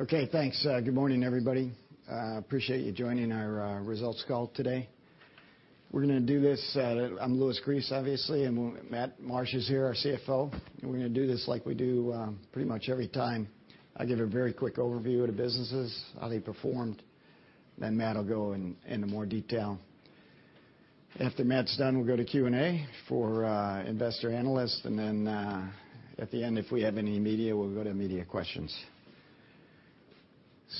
Okay, thanks. Good morning, everybody. Appreciate you joining our results call today. We're gonna do this, I'm Louis Gries, obviously, and Matt Marsh is here, our CFO. And we're gonna do this like we do, pretty much every time. I give a very quick overview of the businesses, how they performed, then Matt will go in, into more detail. After Matt's done, we'll go to Q&A for investor analysts, and then, at the end, if we have any media, we'll go to media questions.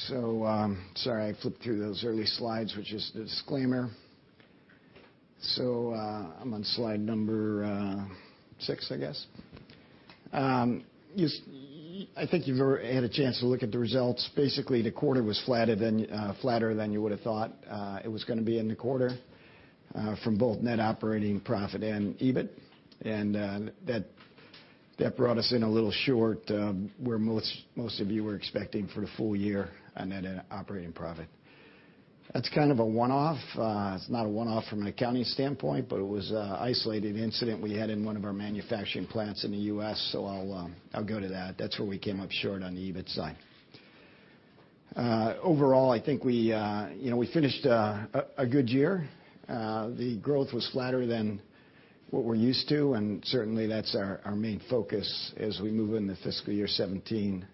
So, sorry, I flipped through those early slides, which is the disclaimer. So, I'm on slide number six, I guess. I think you've had a chance to look at the results. Basically, the quarter was flatter than you would have thought it was gonna be in the quarter from both net operating profit and EBIT. And that brought us in a little short where most of you were expecting for the full year on net operating profit. That's kind of a one-off. It's not a one-off from an accounting standpoint, but it was an isolated incident we had in one of our manufacturing plants in the U.S., so I'll go to that. That's where we came up short on the EBIT side. Overall, I think you know we finished a good year. The growth was flatter than what we're used to, and certainly that's our main focus as we move into fiscal year 2017.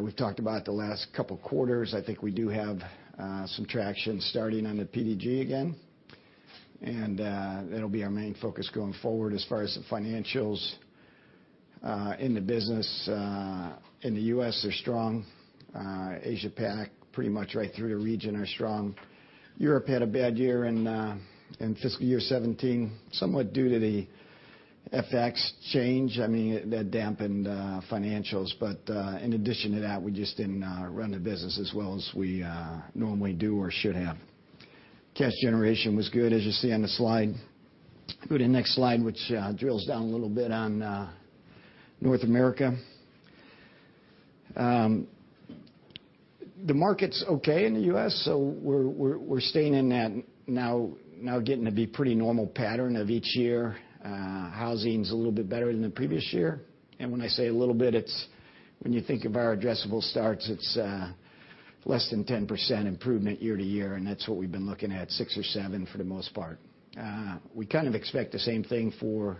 We've talked about the last couple quarters. I think we do have some traction starting on the PDG again, and that'll be our main focus going forward. As far as the financials in the business in the US, they're strong. Asia Pac, pretty much right through the region, are strong. Europe had a bad year in fiscal year 2017, somewhat due to the FX change. I mean, that dampened financials, but in addition to that, we just didn't run the business as well as we normally do or should have. Cash generation was good, as you see on the slide. Go to the next slide, which drills down a little bit on North America. The market's okay in the U.S., so we're staying in that, now getting to be a pretty normal pattern of each year. Housing's a little bit better than the previous year. And when I say a little bit, it's when you think of our addressable starts, it's less than 10% improvement year to year, and that's what we've been looking at, six or seven, for the most part. We kind of expect the same thing for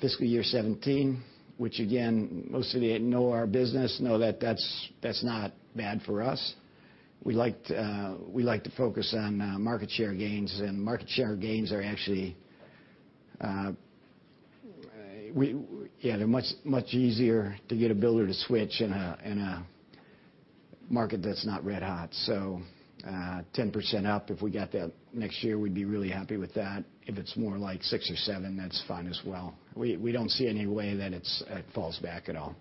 fiscal year 2017, which again, most of you that know our business know that that's not bad for us. We like to focus on market share gains, and market share gains are actually. They're much, much easier to get a builder to switch in a market that's not red hot. So, 10% up, if we got that next year, we'd be really happy with that. If it's more like six or seven, that's fine as well. We don't see any way that it falls back at all.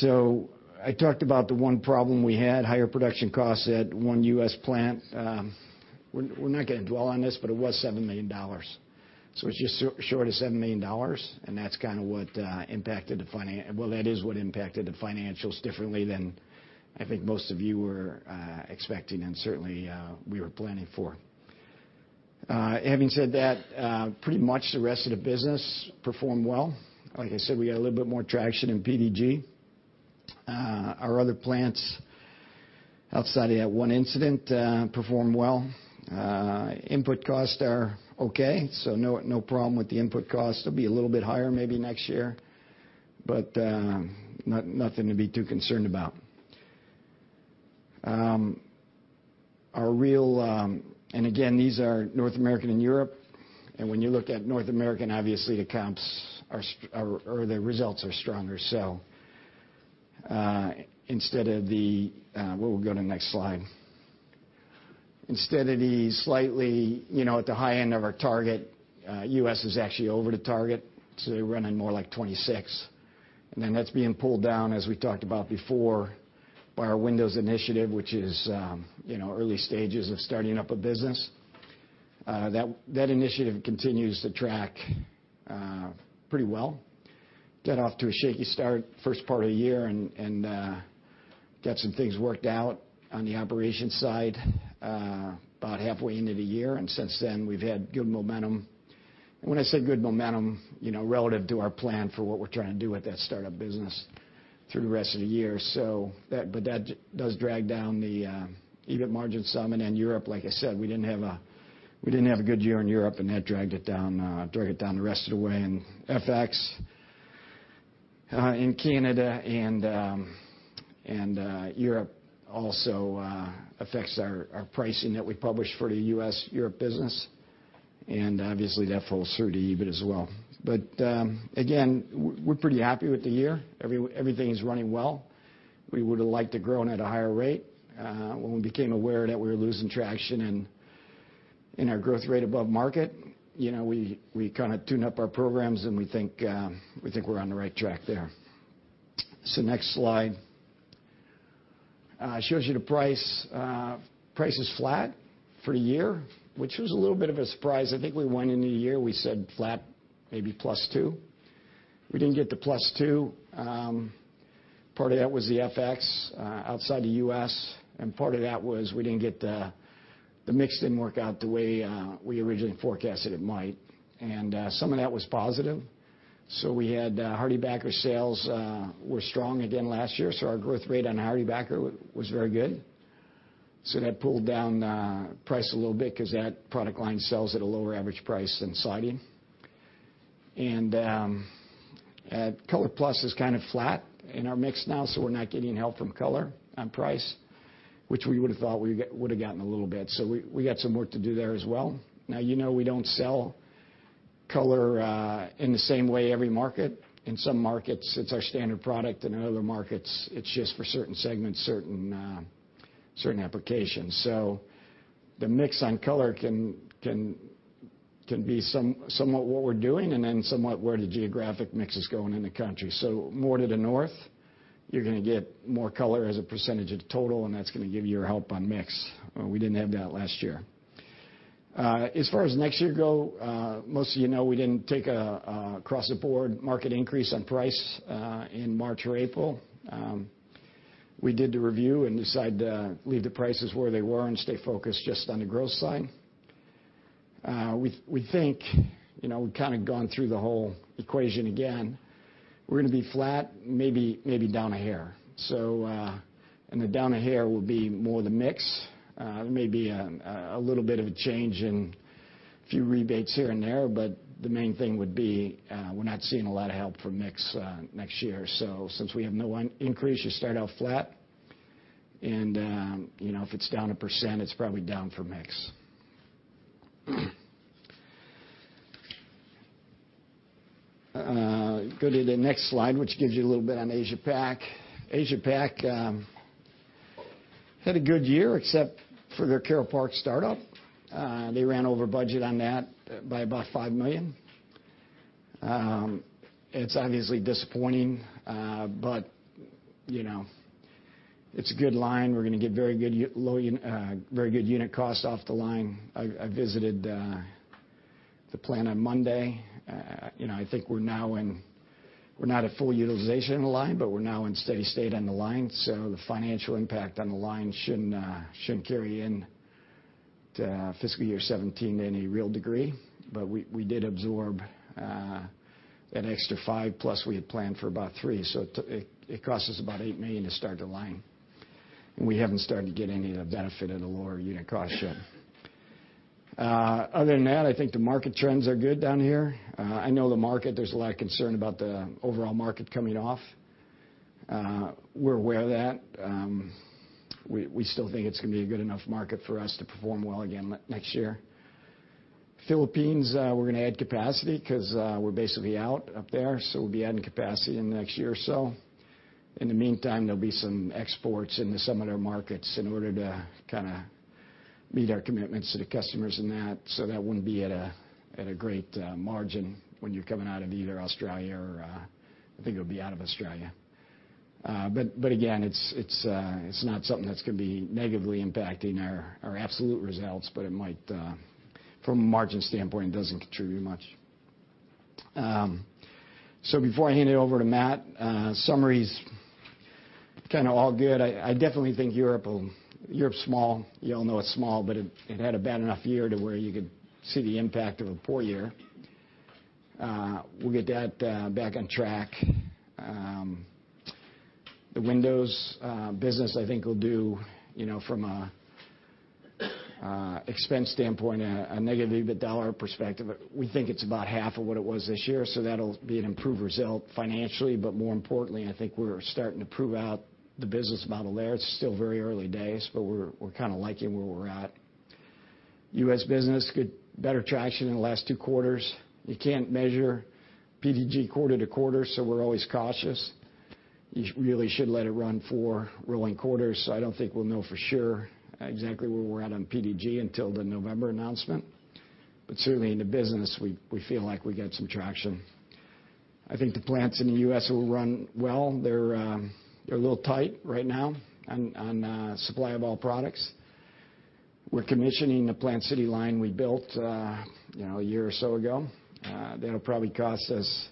So I talked about the one problem we had, higher production costs at one U.S. plant. We're not gonna dwell on this, but it was $7 million. So it's just short of $7 million, and that's kind of what impacted the financials. Well, that is what impacted the financials differently than I think most of you were expecting, and certainly we were planning for. Having said that, pretty much the rest of the business performed well. Like I said, we got a little bit more traction in PDG. Our other plants, outside of that one incident, performed well. Input costs are okay, so no problem with the input costs. They'll be a little bit higher maybe next year, but nothing to be too concerned about. Our real. Again, these are North America and Europe. When you look at North America, obviously, the comps are stronger or the results are stronger. Instead of the, well, we'll go to the next slide. Instead of the slightly, you know, at the high end of our target, US is actually over the target, so they're running more like 26. And then that's being pulled down, as we talked about before, by our windows initiative, which is, you know, early stages of starting up a business. That initiative continues to track pretty well. Got off to a shaky start first part of the year and got some things worked out on the operations side about halfway into the year, and since then, we've had good momentum. And when I say good momentum, you know, relative to our plan for what we're trying to do with that start-up business through the rest of the year. So that, but that does drag down the EBIT margin some. And then Europe, like I said, we didn't have a good year in Europe, and that dragged it down the rest of the way. And FX in Canada and Europe also affects our pricing that we publish for the US-Europe business, and obviously, that flows through to EBIT as well. But again, we're pretty happy with the year. Everything is running well. We would have liked to grown at a higher rate. When we became aware that we were losing traction in our growth rate above market, you know, we kind of tuned up our programs, and we think we're on the right track there. So next slide shows you the price. Price is flat for the year, which was a little bit of a surprise. I think we went into the year, we said flat, maybe plus two. We didn't get to plus two. Part of that was the FX outside the U.S., and part of that was the mix didn't work out the way we originally forecasted it might, and some of that was positive. So we had HardieBacker sales were strong again last year, so our growth rate on HardieBacker was very good. So that pulled down price a little bit because that product line sells at a lower average price than siding. And ColorPlus is kind of flat in our mix now, so we're not getting help from color on price, which we would have thought we would have gotten a little bit. So we got some work to do there as well. Now, you know we don't sell color in the same way every market. In some markets, it's our standard product, and in other markets, it's just for certain segments, certain applications. So the mix on color can be somewhat what we're doing, and then somewhat where the geographic mix is going in the country. So more to the north, you're gonna get more color as a percentage of the total, and that's gonna give you your help on mix. We didn't have that last year. As far as next year go, most of you know, we didn't take a across-the-board market increase on price in March or April. We did the review and decided to leave the prices where they were and stay focused just on the growth side. We think, you know, we've kind of gone through the whole equation again. We're gonna be flat, maybe down a hair. So, and the down a hair will be more the mix. Maybe a little bit of a change in a few rebates here and there, but the main thing would be, we're not seeing a lot of help from mix next year. So since we have no increase, you start out flat, and you know, if it's down 1%, it's probably down for mix. Go to the next slide, which gives you a little bit on Asia Pac. Asia Pac had a good year, except for their Carroll Park startup. They ran over budget on that by about five million. It's obviously disappointing, but you know, it's a good line. We're gonna get very good unit cost off the line. I visited the plant on Monday. You know, I think we're now in... We're not at full utilization in the line, but we're now in steady state on the line, so the financial impact on the line shouldn't carry into fiscal year 2017 to any real degree. But we did absorb an extra $5 million, plus we had planned for about $3 million, so it cost us about $8 million to start the line, and we haven't started to get any of the benefit of the lower unit cost yet. Other than that, I think the market trends are good down here. I know the market, there's a lot of concern about the overall market coming off. We're aware of that. We still think it's gonna be a good enough market for us to perform well again next year. Philippines, we're gonna add capacity because, we're basically out up there, so we'll be adding capacity in the next year or so. In the meantime, there'll be some exports into some other markets in order to kind of meet our commitments to the customers in that, so that wouldn't be at a great margin when you're coming out of either Australia or, I think it'll be out of Australia. But again, it's not something that's gonna be negatively impacting our absolute results, but it might, from a margin standpoint, doesn't contribute much. So before I hand it over to Matt, summaries, kind of all good. I definitely think Europe will. Europe's small. You all know it's small, but it had a bad enough year to where you could see the impact of a poor year. We'll get that back on track. The Windows business, I think, will do, you know, from an expense standpoint, a negative dollar perspective. We think it's about half of what it was this year, so that'll be an improved result financially. But more importantly, I think we're starting to prove out the business model there. It's still very early days, but we're kind of liking where we're at. US business good, better traction in the last two quarters. You can't measure PDG quarter to quarter, so we're always cautious. You really should let it run four rolling quarters, so I don't think we'll know for sure exactly where we're at on PDG until the November announcement. But certainly in the business, we feel like we got some traction. I think the plants in the US will run well. They're a little tight right now on supply of all products. We're commissioning the Plant City line we built, you know, a year or so ago. That'll probably cost us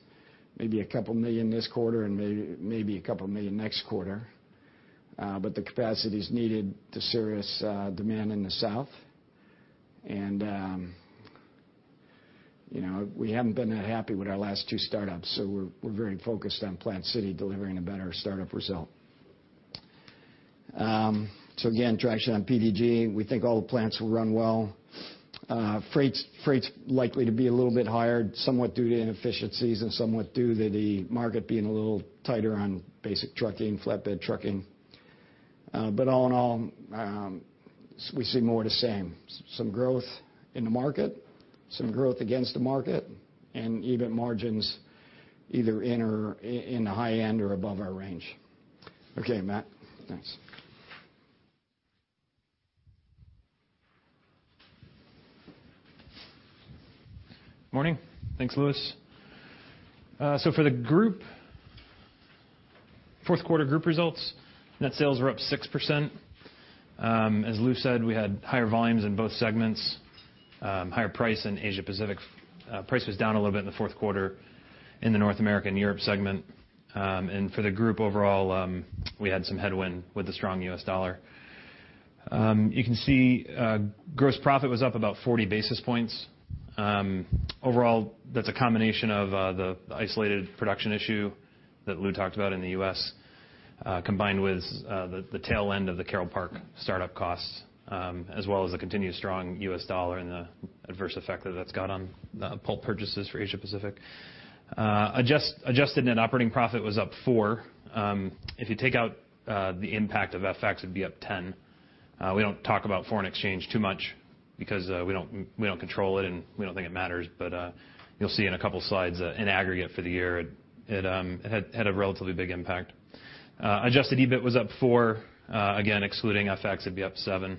maybe $2 million this quarter and maybe $2 million next quarter. But the capacity is needed to service demand in the South. You know, we haven't been that happy with our last two startups, so we're very focused on Plant City delivering a better startup result. Again, traction on PDG. We think all the plants will run well. Freight's likely to be a little bit higher, somewhat due to inefficiencies and somewhat due to the market being a little tighter on basic trucking, flatbed trucking, but all in all, we see more of the same, some growth in the market, some growth against the market, and EBIT margins either in or in the high end or above our range. Okay, Matt, thanks. Morning. Thanks, Lewis. So for the group, fourth quarter group results, net sales were up 6%. As Lew said, we had higher volumes in both segments. ... higher price in Asia Pacific. Price was down a little bit in the fourth quarter in the North America and Europe segment. For the group overall, we had some headwind with the strong US dollar. You can see, gross profit was up about forty basis points. Overall, that's a combination of the isolated production issue that Lou talked about in the US, combined with the tail end of the Carroll Park startup costs, as well as the continued strong US dollar and the adverse effect that that's got on the pulp purchases for Asia Pacific. Adjusted net operating profit was up four. If you take out the impact of FX, it'd be up ten. We don't talk about foreign exchange too much because we don't control it, and we don't think it matters. But you'll see in a couple of slides, in aggregate for the year, it had a relatively big impact. Adjusted EBIT was up 4%. Again, excluding FX, it'd be up 7%.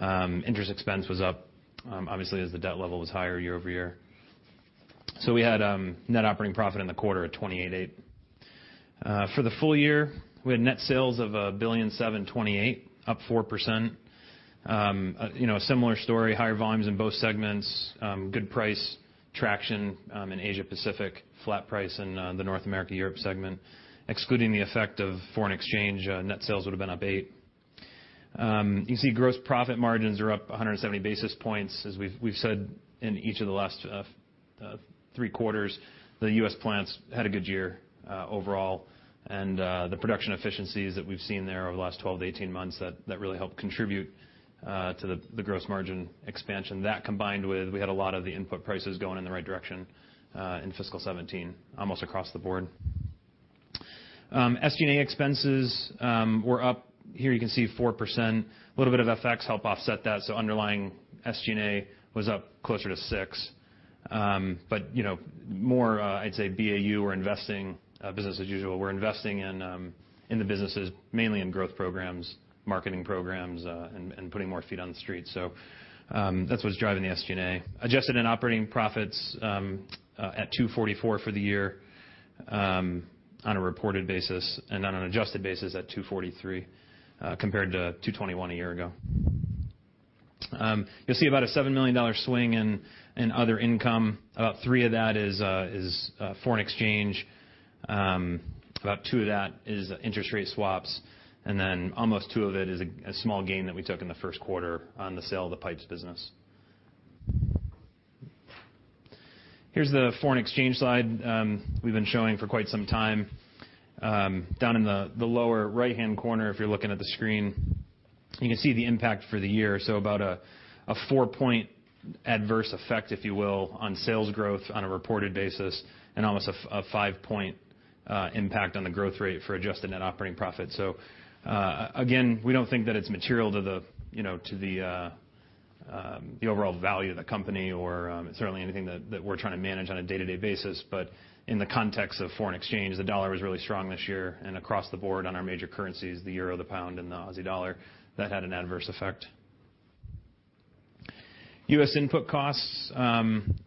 Interest expense was up, obviously, as the debt level was higher year over year. So we had net operating profit in the quarter at 288. For the full year, we had net sales of $1.728 billion, up 4%. You know, a similar story, higher volumes in both segments, good price traction in Asia Pacific, flat price in the North America, Europe segment. Excluding the effect of foreign exchange, net sales would have been up 8%. You can see gross profit margins are up 170 basis points. As we've said in each of the last three quarters, the U.S. plants had a good year overall, and the production efficiencies that we've seen there over the last 12 to 18 months, that really helped contribute to the gross margin expansion. That, combined with, we had a lot of the input prices going in the right direction in fiscal 2017, almost across the board. SG&A expenses were up. Here, you can see 4%. A little bit of FX helped offset that, so underlying SG&A was up closer to 6%. But you know, more, I'd say BAU, we're investing business as usual. We're investing in, in the businesses, mainly in growth programs, marketing programs, and, and putting more feet on the street. So, that's what's driving the SG&A. Adjusted net operating profits at 244 for the year, on a reported basis, and on an adjusted basis at 243, compared to 221 a year ago. You'll see about a $7 million swing in, in other income. About three of that is foreign exchange. About two of that is interest rate swaps, and then almost two of it is a, a small gain that we took in the first quarter on the sale of the pipes business. Here's the foreign exchange slide, we've been showing for quite some time. Down in the lower right-hand corner, if you're looking at the screen, you can see the impact for the year. So about a four-point adverse effect, if you will, on sales growth on a reported basis, and almost a five-point impact on the growth rate for adjusted net operating profit. So again, we don't think that it's material to the, you know, the overall value of the company or certainly anything that we're trying to manage on a day-to-day basis. But in the context of foreign exchange, the dollar was really strong this year and across the board on our major currencies, the euro, the pound, and the Aussie dollar, that had an adverse effect. US input costs,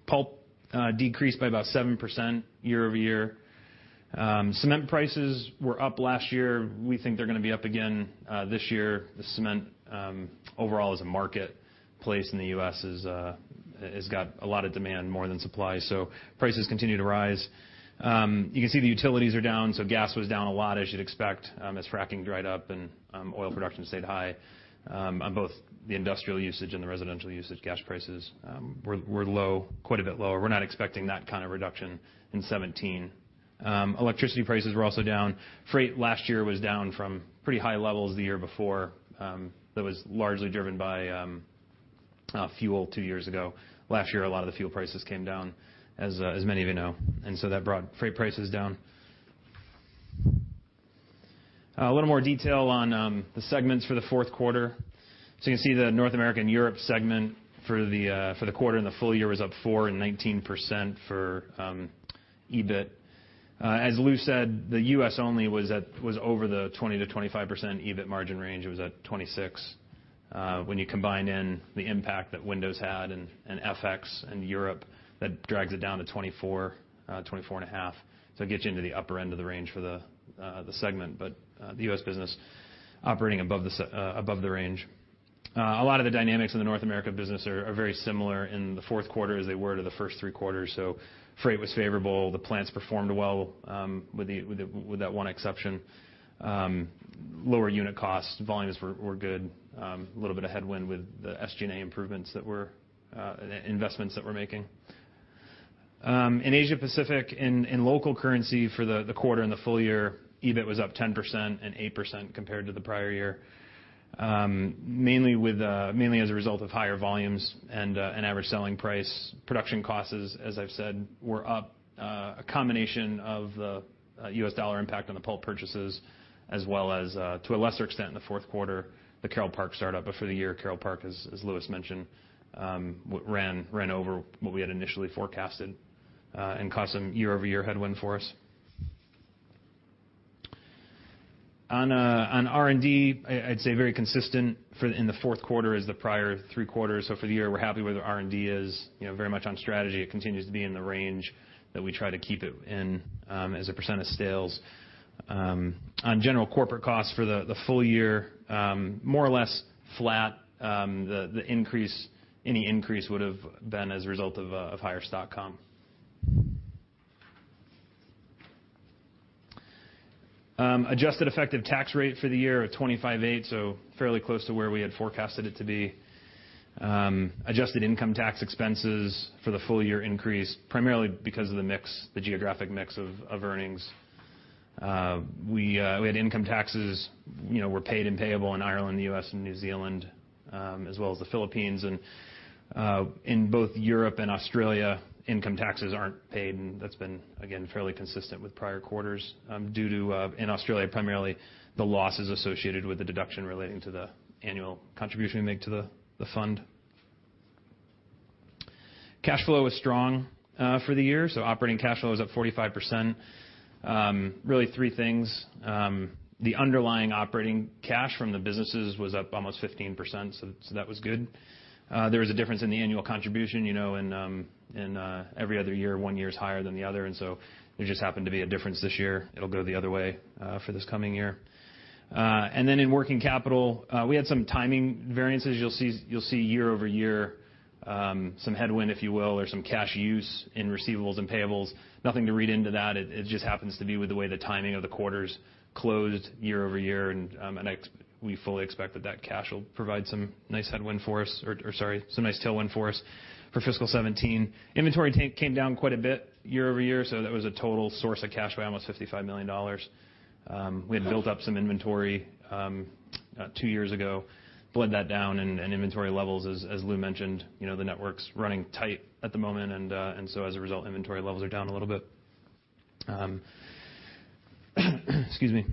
pulp, decreased by about 7% year over year. Cement prices were up last year. We think they're gonna be up again, this year. The cement, overall, as a marketplace in the US, is, has got a lot of demand, more than supply, so prices continue to rise. You can see the utilities are down, so gas was down a lot, as you'd expect, as fracking dried up and, oil production stayed high. On both the industrial usage and the residential usage, gas prices, were low, quite a bit lower. We're not expecting that kind of reduction in 2017. Electricity prices were also down. Freight last year was down from pretty high levels the year before. That was largely driven by, fuel two years ago. Last year, a lot of the fuel prices came down, as many of you know, and so that brought freight prices down. A little more detail on the segments for the fourth quarter. So you can see the North America and Europe segment for the quarter and the full year was up 4% and 19% for EBIT. As Lou said, the US only was over the 20%-25% EBIT margin range. It was at 26%. When you combine in the impact that Windows had, and FX and Europe, that drags it down to 24%, 24.5%. So it gets you into the upper end of the range for the segment, but the US business operating above the range. A lot of the dynamics in the North America business are very similar in the fourth quarter as they were to the first three quarters. Freight was favorable, the plants performed well, with that one exception. Lower unit costs, volumes were good. A little bit of headwind with the SG&A, investments that we're making. In Asia Pacific, in local currency for the quarter and the full year, EBIT was up 10% and 8% compared to the prior year, mainly as a result of higher volumes and average selling price. Production costs, as I've said, were up, a combination of the US dollar impact on the pulp purchases, as well as to a lesser extent, in the fourth quarter, the Carroll Park startup. But for the year, Carroll Park, as Louis mentioned, ran over what we had initially forecasted, and caused some year-over-year headwind for us. On R&D, I'd say very consistent in the fourth quarter as the prior three quarters. So for the year, we're happy where the R&D is. You know, very much on strategy. It continues to be in the range that we try to keep it in, as a percent of sales. On general corporate costs for the full year, more or less flat. The increase, any increase would have been as a result of higher stock comp. Adjusted effective tax rate for the year of 25.8%, so fairly close to where we had forecasted it to be. Adjusted income tax expenses for the full year increased, primarily because of the mix, the geographic mix of earnings. We had income taxes, you know, were paid and payable in Ireland, the U.S., and New Zealand, as well as the Philippines, and in both Europe and Australia, income taxes aren't paid, and that's been, again, fairly consistent with prior quarters, due to, in Australia, primarily the losses associated with the deduction relating to the annual contribution we make to the fund. Cash flow was strong for the year, so operating cash flow is up 45%. Really three things. The underlying operating cash from the businesses was up almost 15%, so that was good. There was a difference in the annual contribution, you know, in every other year, one year is higher than the other, and so there just happened to be a difference this year. It'll go the other way for this coming year. And then in working capital, we had some timing variances. You'll see, you'll see year over year some headwind, if you will, or some cash use in receivables and payables. Nothing to read into that. It just happens to be with the way the timing of the quarters closed year over year, and we fully expect that that cash will provide some nice headwind for us, or sorry, some nice tailwind for us for fiscal 2017. Inventory bank came down quite a bit year over year, so that was a total source of cash by almost $55 million. We had built up some inventory two years ago, bled that down and inventory levels, as Lou mentioned, you know, the network's running tight at the moment, and so as a result, inventory levels are down a little bit. Excuse me.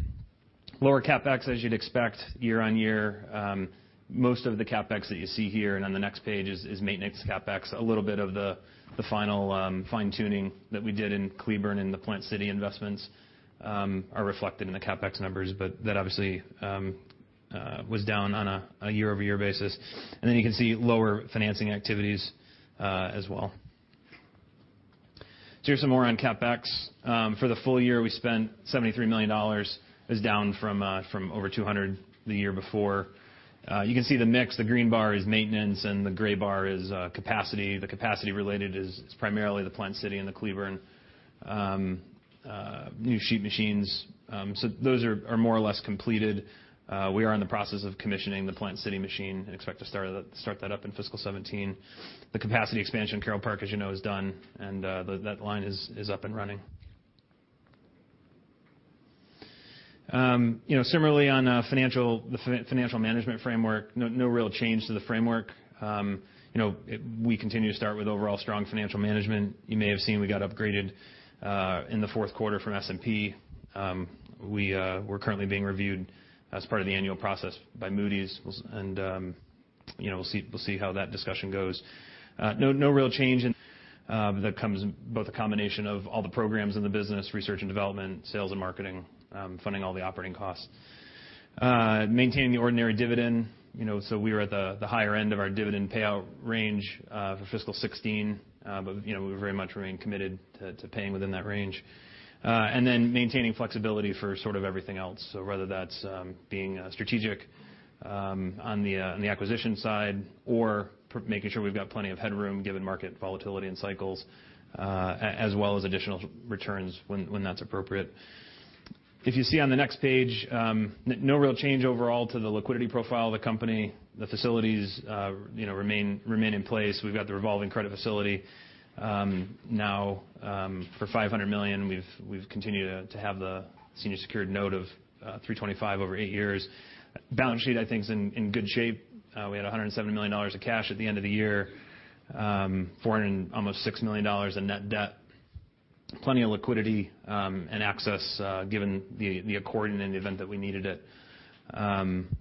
Lower CapEx, as you'd expect, year on year. Most of the CapEx that you see here and on the next page is maintenance CapEx. A little bit of the final fine-tuning that we did in Cleburne and the Plant City investments are reflected in the CapEx numbers, but that obviously was down on a year-over-year basis, and then you can see lower financing activities as well. So here's some more on CapEx. For the full year, we spent $73 million. That's down from over $200 million the year before. You can see the mix. The green bar is maintenance, and the gray bar is capacity. The capacity related is primarily the Plant City and the Cleburne new sheet machines. So those are more or less completed. We are in the process of commissioning the Plant City machine and expect to start that up in fiscal 2017. The capacity expansion in Carroll Park, as you know, is done, and that line is up and running. You know, similarly on financial, the financial management framework, no real change to the framework. You know, it. We continue to start with overall strong financial management. You may have seen we got upgraded in the fourth quarter from S&P. We're currently being reviewed as part of the annual process by Moody's, and you know, we'll see, we'll see how that discussion goes. No real change in that comes both a combination of all the programs in the business, research and development, sales and marketing, funding all the operating costs, maintaining the ordinary dividend, you know, so we are at the higher end of our dividend payout range for fiscal 2016, but you know, we very much remain committed to paying within that range, and then maintaining flexibility for sort of everything else. So whether that's being strategic on the acquisition side or making sure we've got plenty of headroom, given market volatility and cycles, as well as additional returns when that's appropriate. If you see on the next page, no real change overall to the liquidity profile of the company. The facilities, you know, remain in place. We've got the revolving credit facility now for $500 million. We've continued to have the senior secured note of $325 million over 8 years. Balance sheet, I think, is in good shape. We had $170 million of cash at the end of the year. Four hundred and almost $6 million dollars in net debt. Plenty of liquidity and access, given the accord in the event that we needed it, and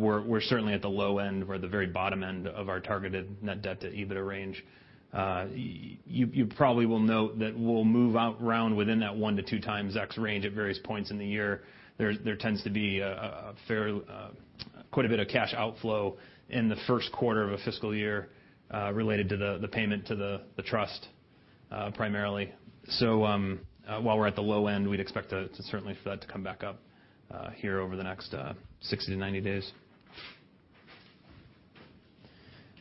we're certainly at the low end or the very bottom end of our targeted net debt to EBITDA range. You probably will note that we'll move around within that one to two times x range at various points in the year. There tends to be quite a bit of cash outflow in the first quarter of a fiscal year, related to the payment to the trust, primarily, so while we're at the low end, we'd expect to certainly for that to come back up here over the next 60 to 90 days.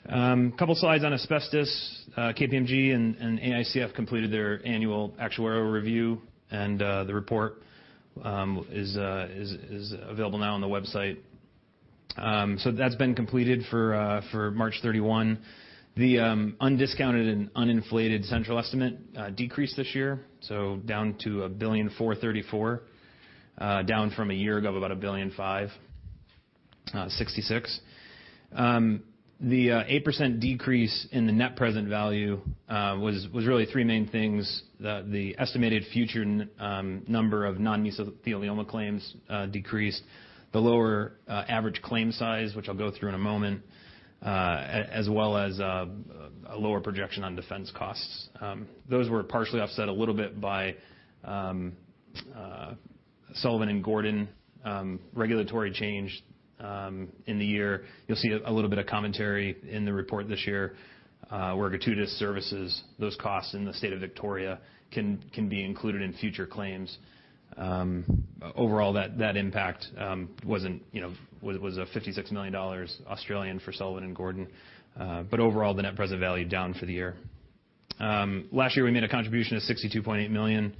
Couple slides on asbestos. KPMG and AICF completed their annual actuarial review, and the report is available now on the website, so that's been completed for March thirty-one. The undiscounted and uninflated central estimate decreased this year, so down to 1.434 billion, down from a year ago of about 1.566 billion. The 8% decrease in the net present value was really three main things. The estimated future number of non-mesothelioma claims decreased, the lower average claim size, which I'll go through in a moment, as well as a lower projection on defense costs. Those were partially offset a little bit by Slater and Gordon regulatory change in the year. You'll see a little bit of commentary in the report this year, where gratuitous services, those costs in the state of Victoria can be included in future claims. Overall, that impact wasn't, you know, was 56 million Australian dollars for Slater and Gordon, but overall, the net present value down for the year. Last year, we made a contribution of 62.8 million.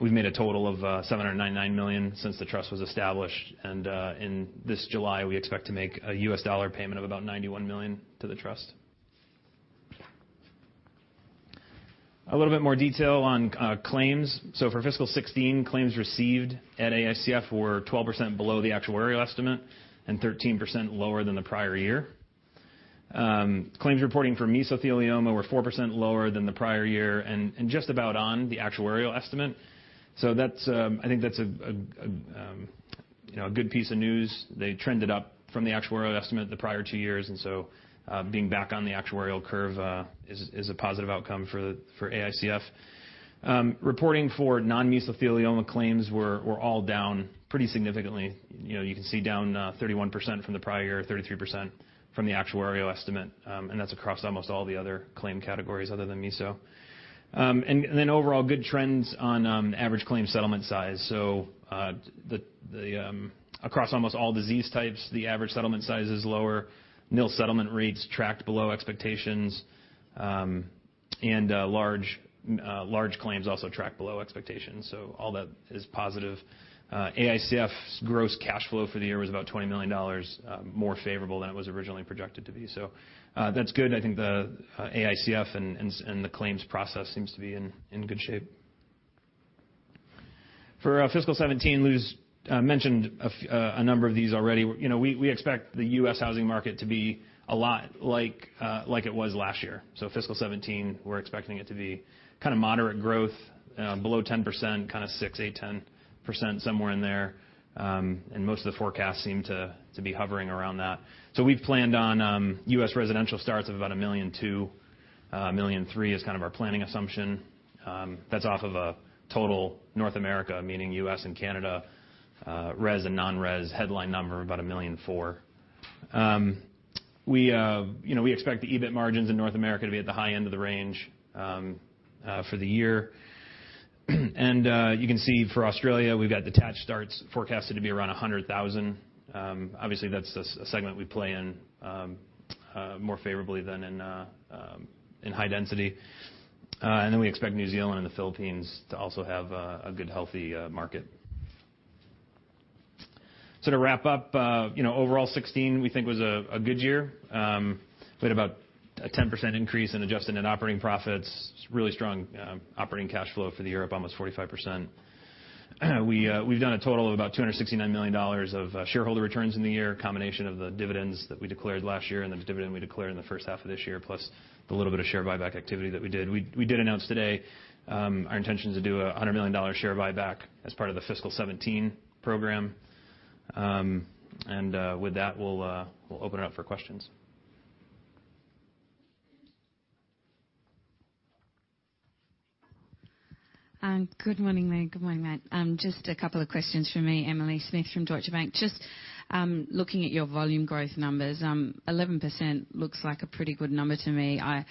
We've made a total of 799 million since the trust was established, and in this July, we expect to make a US dollar payment of about $91 million to the trust. A little bit more detail on claims. So for fiscal 2016, claims received at AICF were 12% below the actuarial estimate and 13% lower than the prior year. Claims reporting for mesothelioma were 4% lower than the prior year and just about on the actuarial estimate. So that's, I think that's a you know a good piece of news. They trended up from the actuarial estimate the prior two years, and so, being back on the actuarial curve, is a positive outcome for AICF. Reporting for non-mesothelioma claims were all down pretty significantly. You know, you can see down 31% from the prior year, 33% from the actuarial estimate, and that's across almost all the other claim categories other than meso. And then overall, good trends on average claim settlement size. So, across almost all disease types, the average settlement size is lower. Nil settlement rates tracked below expectations, and large claims also tracked below expectations. So all that is positive. AICF's gross cash flow for the year was about $20 million, more favorable than it was originally projected to be. So, that's good. I think the AICF and the claims process seems to be in good shape. For fiscal 2017, Louis mentioned a number of these already. You know, we expect the U.S. housing market to be a lot like it was last year. So fiscal 2017, we're expecting it to be kind of moderate growth, below 10%, kind of 6, 8, 10%, somewhere in there. And most of the forecasts seem to be hovering around that. So we've planned on US residential starts of about 1.2 million-1.3 million is kind of our planning assumption. That's off of a total North America, meaning US and Canada, res and non-res headline number, about 1.4 million. You know, we expect the EBIT margins in North America to be at the high end of the range for the year. You can see for Australia, we've got detached starts forecasted to be around 100,000. Obviously, that's a segment we play in more favorably than in high density. Then we expect New Zealand and the Philippines to also have a good, healthy market. So to wrap up, you know, overall, 2016, we think was a good year. We had about a 10% increase in adjusted net operating profits, really strong operating cash flow for the year, up almost 45%. We’ve done a total of about $269 million of shareholder returns in the year, a combination of the dividends that we declared last year and then the dividend we declared in the first half of this year, plus the little bit of share buyback activity that we did. We did announce today our intention to do a $100 million share buyback as part of the fiscal 2017 program. With that, we’ll open it up for questions. Good morning, Lou. Good morning, Matt. Just a couple of questions from me, Emily Smith from Deutsche Bank. Just looking at your volume growth numbers, 11% looks like a pretty good number to me. I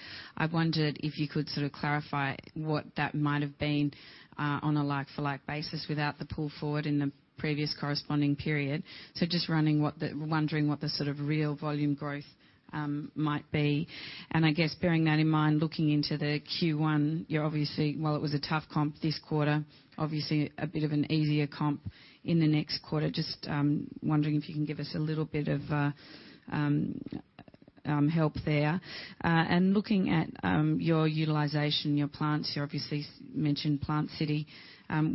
wondered if you could sort of clarify what that might have been on a like-for-like basis without the pull forward in the previous corresponding period. So wondering what the sort of real volume growth might be. And I guess bearing that in mind, looking into the Q1, you're obviously, while it was a tough comp this quarter, obviously a bit of an easier comp in the next quarter. Just wondering if you can give us a little bit of help there. And looking at your utilization, your plants, you obviously mentioned Plant City.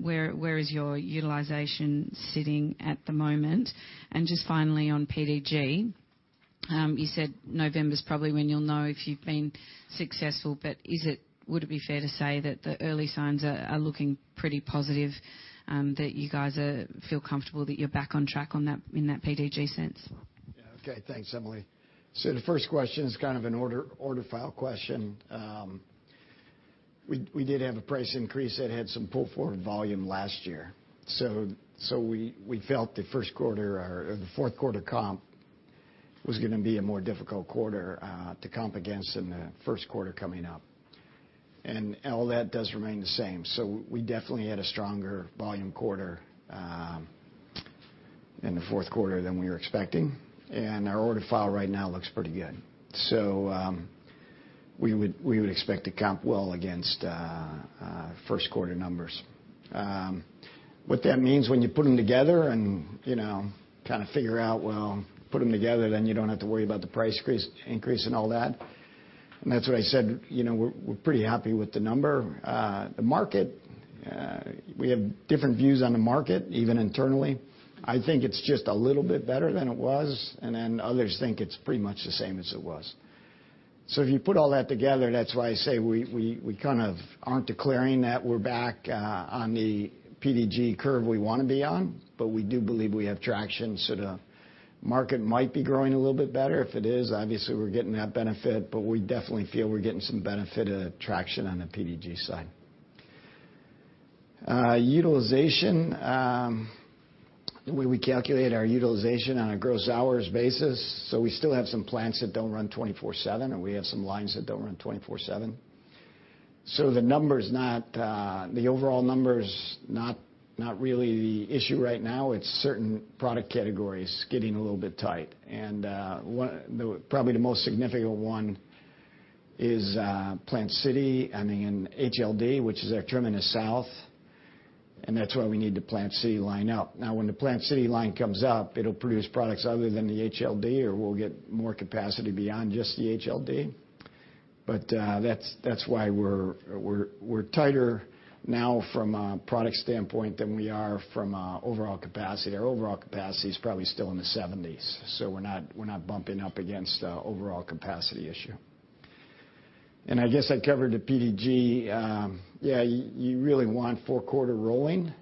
Where is your utilization sitting at the moment? And just finally, on PDG, you said November's probably when you'll know if you've been successful, but is it, would it be fair to say that the early signs are looking pretty positive, that you guys feel comfortable that you're back on track on that, in that PDG sense? Yeah. Okay, thanks, Emily. So the first question is kind of an order file question. We did have a price increase that had some pull-forward volume last year, so we felt the first quarter or the fourth quarter comp was gonna be a more difficult quarter to comp against in the first quarter coming up. And all that does remain the same. So we definitely had a stronger volume quarter in the fourth quarter than we were expecting, and our order file right now looks pretty good. So we would expect to comp well against first quarter numbers. What that means when you put them together and you know kind of figure out, well, put them together, then you don't have to worry about the price increase and all that. That's what I said, you know, we're pretty happy with the number. The market, we have different views on the market, even internally. I think it's just a little bit better than it was, and then others think it's pretty much the same as it was. So if you put all that together, that's why I say we kind of aren't declaring that we're back on the PDG curve we wanna be on, but we do believe we have traction, so the market might be growing a little bit better. If it is, obviously, we're getting that benefit, but we definitely feel we're getting some benefit and traction on the PDG side. Utilization, the way we calculate our utilization on a gross hours basis, so we still have some plants that don't run twenty-four/seven, and we have some lines that don't run twenty-four/seven. So the number's not, the overall number's not-... not really the issue right now, it's certain product categories getting a little bit tight. And one, probably the most significant one is Plant City, I mean, HLD, which is our Hardie line in the US South, and that's why we need the Plant City line up. Now, when the Plant City line comes up, it'll produce products other than the HLD, or we'll get more capacity beyond just the HLD. But that's why we're tighter now from a product standpoint than we are from an overall capacity. Our overall capacity is probably still in the seventies, so we're not bumping up against an overall capacity issue. And I guess I covered the PDG. Yeah, you really want four quarter rolling.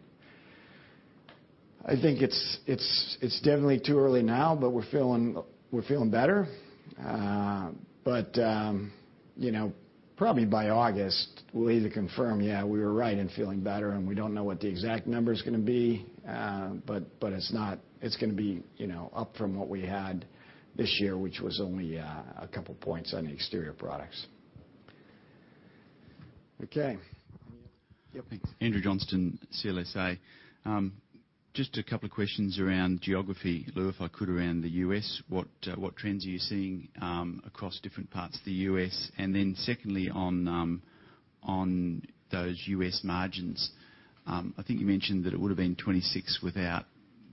I think it's definitely too early now, but we're feeling better. You know, probably by August, we'll either confirm. Yeah, we were right in feeling better, and we don't know what the exact number is gonna be. But it's gonna be, you know, up from what we had this year, which was only a couple points on the exterior products. Okay. Yep. Thanks. Andrew Johnston, CLSA. Just a couple of questions around geography, Lou, if I could, around the US. What trends are you seeing across different parts of the US? And then secondly, on those US margins, I think you mentioned that it would have been 26% without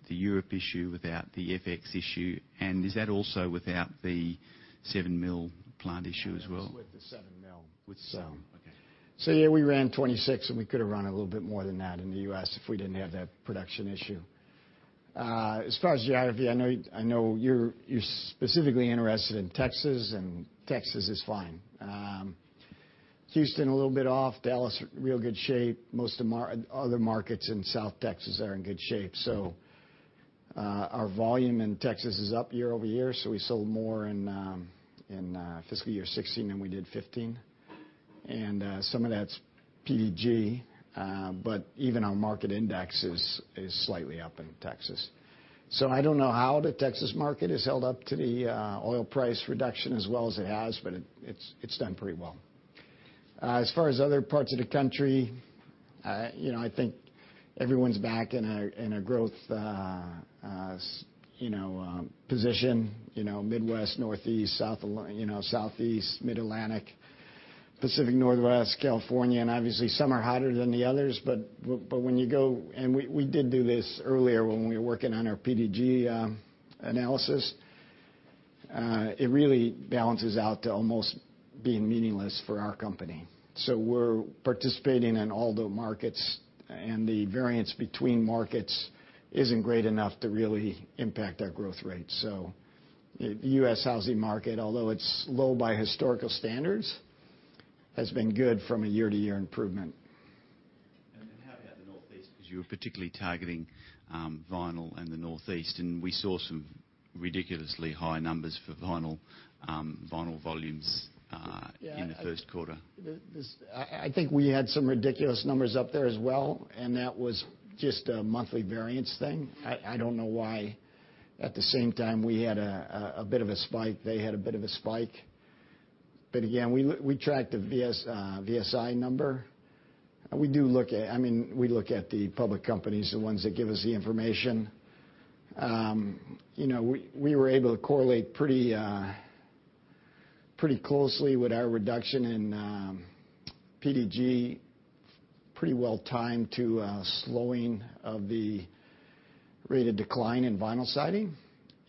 the Europe issue, without the FX issue, and is that also without the $7 million plant issue as well? Yeah, that was with the seven mil. With seven, okay. Yeah, we ran twenty-six, and we could have run a little bit more than that in the U.S. if we didn't have that production issue. As far as geography, I know you're specifically interested in Texas, and Texas is fine. Houston, a little bit off, Dallas, real good shape. Most other markets in South Texas are in good shape. Our volume in Texas is up year over year, so we sold more in fiscal year 2016 than we did 2015. And some of that's PDG, but even our market index is slightly up in Texas. I don't know how the Texas market has held up to the oil price reduction as well as it has, but it's done pretty well. As far as other parts of the country, you know, I think everyone's back in a growth, you know, position, you know, Midwest, Northeast, South, you know, Southeast, Mid-Atlantic, Pacific Northwest, California, and obviously, some are hotter than the others, but when you go. We did do this earlier when we were working on our PDG analysis. It really balances out to almost being meaningless for our company. We're participating in all the markets, and the variance between markets isn't great enough to really impact our growth rate. The U.S. housing market, although it's low by historical standards, has been good from a year-to-year improvement. And then how about the Northeast? Because you were particularly targeting vinyl and the Northeast, and we saw some ridiculously high numbers for vinyl volumes in the first quarter. Yeah, I think we had some ridiculous numbers up there as well, and that was just a monthly variance thing. I don't know why at the same time we had a bit of a spike, they had a bit of a spike. But again, we track the VSI number. We do look at, I mean, we look at the public companies, the ones that give us the information. You know, we were able to correlate pretty closely with our reduction in PDG, pretty well timed to a slowing of the rate of decline in vinyl siding.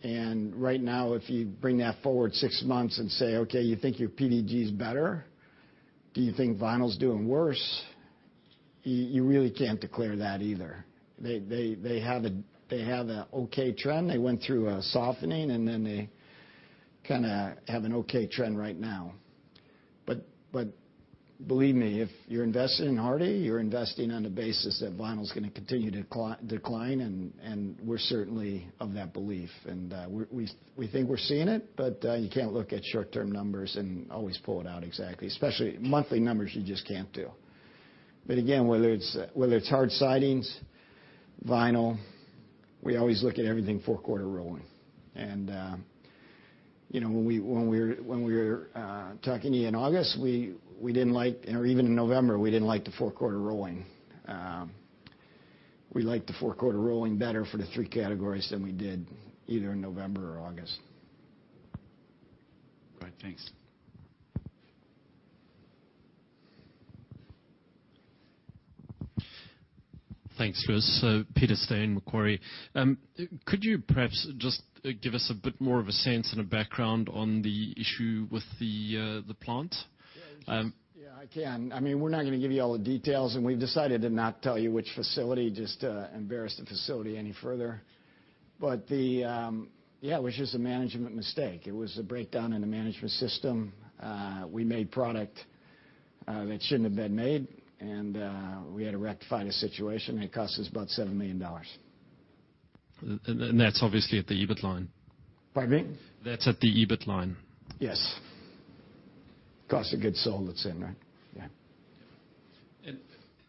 And right now, if you bring that forward six months and say, "Okay, you think your PDG is better? Do you think vinyl is doing worse?" You really can't declare that either. They have an okay trend. They went through a softening, and then they kinda have an okay trend right now. Believe me, if you're investing in Hardie, you're investing on the basis that vinyl is gonna continue to decline, and we're certainly of that belief. We think we're seeing it, but you can't look at short-term numbers and always pull it out exactly. Especially monthly numbers, you just can't do. Again, whether it's Hardie sidings, vinyl, we always look at everything four-quarter rolling. You know, when we were talking to you in August, we didn't like, or even in November, we didn't like the four-quarter rolling. We like the four quarter rolling better for the three categories than we did either in November or August. Great, thanks. Thanks, Louis. So Peter Steyn, Macquarie. Could you perhaps just give us a bit more of a sense and a background on the issue with the plant? Yeah, yeah, I can. I mean, we're not gonna give you all the details, and we've decided to not tell you which facility, just to embarrass the facility any further. But yeah, it was just a management mistake. It was a breakdown in the management system. We made product that shouldn't have been made, and we had to rectify the situation, and it cost us about $7 million. That's obviously at the EBIT line? Pardon me? That's at the EBIT line. Yes. Cost of goods sold, it's in, right? Yeah.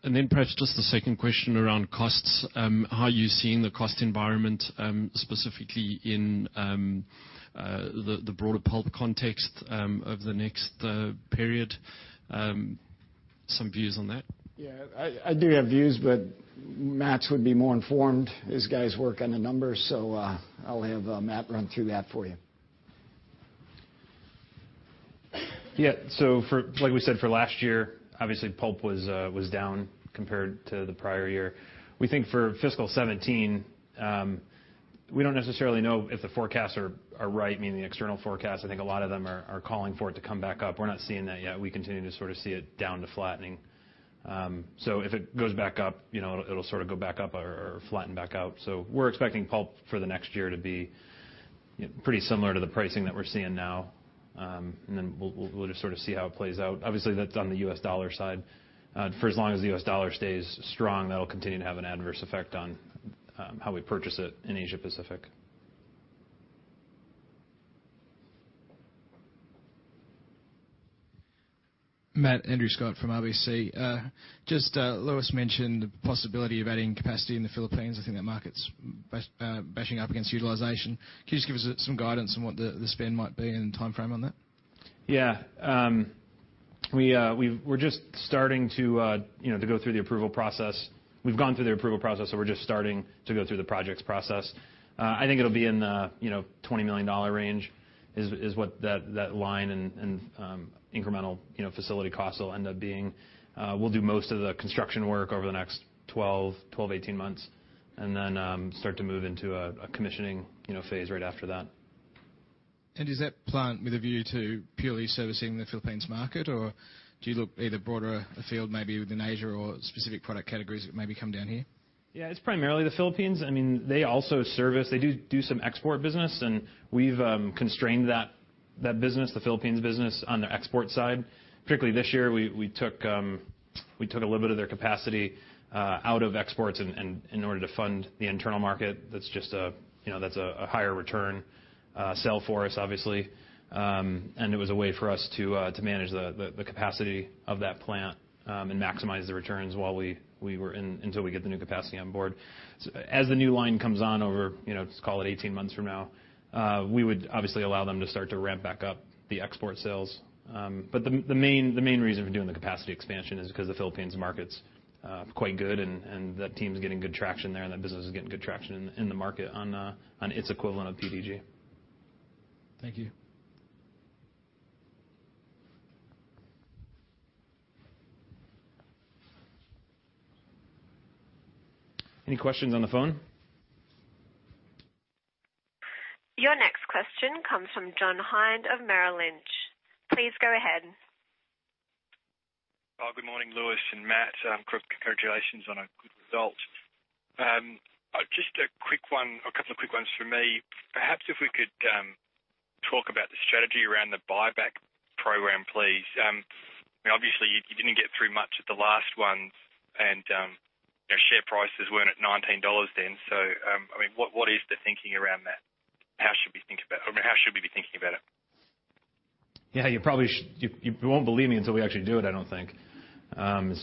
Then perhaps just the second question around costs. How are you seeing the cost environment, specifically in the broader pulp context, over the next period?... some views on that? Yeah, I do have views, but Matt's would be more informed. His guys work on the numbers, so I'll have Matt run through that for you. Yeah, so for, like we said, for last year, obviously, pulp was down compared to the prior year. We think for fiscal 2017, we don't necessarily know if the forecasts are right, meaning the external forecasts. I think a lot of them are calling for it to come back up. We're not seeing that yet. We continue to sort of see it down to flattening, so if it goes back up, you know, it'll sort of go back up or flatten back out, so we're expecting pulp for the next year to be pretty similar to the pricing that we're seeing now, and then we'll just sort of see how it plays out. Obviously, that's on the U.S. dollar side. For as long as the U.S. dollar stays strong, that'll continue to have an adverse effect on how we purchase it in Asia Pacific. Matt, Andrew Scott from RBC. Just, Lewis mentioned the possibility of adding capacity in the Philippines. I think that market's bumping up against utilization. Can you just give us some guidance on what the spend might be and the timeframe on that? Yeah, we're just starting to, you know, to go through the approval process. We've gone through the approval process, so we're just starting to go through the projects process. I think it'll be in the, you know, $20 million range, is what that line and incremental, you know, facility costs will end up being. We'll do most of the construction work over the next 12 to 18 months, and then start to move into a commissioning, you know, phase right after that. Is that plant with a view to purely servicing the Philippines market, or do you look either broader afield, maybe within Asia or specific product categories that maybe come down here? Yeah, it's primarily the Philippines. I mean, they also service. They do some export business, and we've constrained that business, the Philippines business, on the export side. Particularly this year, we took a little bit of their capacity out of exports in order to fund the internal market. That's just a, you know, that's a higher return sale for us, obviously. And it was a way for us to manage the capacity of that plant and maximize the returns while we were in until we get the new capacity on board. As the new line comes on over, you know, let's call it 18 months from now, we would obviously allow them to start to ramp back up the export sales. But the main reason for doing the capacity expansion is because the Philippines market's quite good, and that team's getting good traction there, and that business is getting good traction in the market on its equivalent of PDG. Thank you. Any questions on the phone? Your next question comes from John Hind of Merrill Lynch. Please go ahead. Good morning, Lewis and Matt. Congratulations on a good result. Just a quick one, a couple of quick ones from me. Perhaps if we could talk about the strategy around the buyback program, please. Obviously, you didn't get through much at the last one, and the share prices weren't at $19 then. So, I mean, what is the thinking around that? How should we think about, I mean, how should we be thinking about it? Yeah, you probably won't believe me until we actually do it, I don't think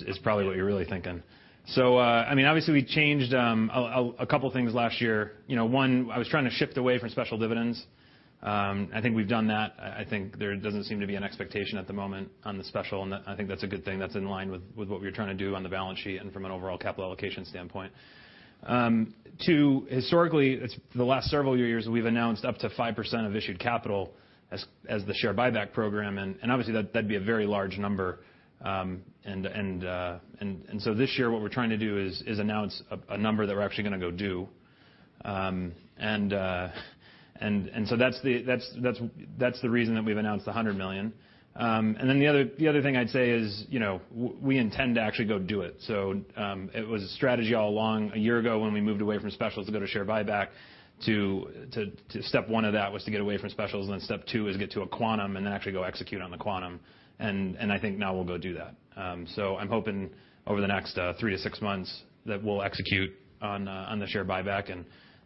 is probably what you're really thinking. So, I mean, obviously, we changed a couple things last year. You know, one, I was trying to shift away from special dividends. I think we've done that. I think there doesn't seem to be an expectation at the moment on the special, and I think that's a good thing. That's in line with what we're trying to do on the balance sheet and from an overall capital allocation standpoint. Two, historically, it's the last several years, we've announced up to 5% of issued capital as the share buyback program, and obviously, that'd be a very large number. This year, what we're trying to do is announce a number that we're actually gonna go do. That's the reason that we've announced the $100 million. The other thing I'd say is, you know, we intend to actually go do it. It was a strategy all along, a year ago, when we moved away from specials to go to share buyback. Step one of that was to get away from specials, and then step two is get to a quantum and then actually go execute on the quantum, and I think now we'll go do that. So, I'm hoping over the next three to six months that we'll execute on the share buyback, and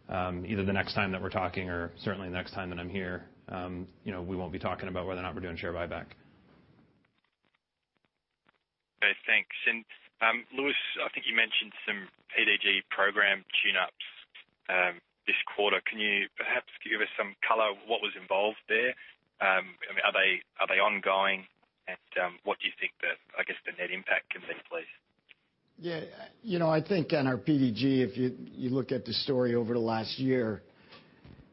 either the next time that we're talking or certainly next time that I'm here, you know, we won't be talking about whether or not we're doing share buyback. Okay, thanks. And, Lewis, I think you mentioned some PDG program tune-ups, this quarter. Can you perhaps give us some color on what was involved there? I mean, are they, are they ongoing, and, what do you think the, I guess, the net impact can be, please? Yeah. You know, I think on our PDG, if you look at the story over the last year,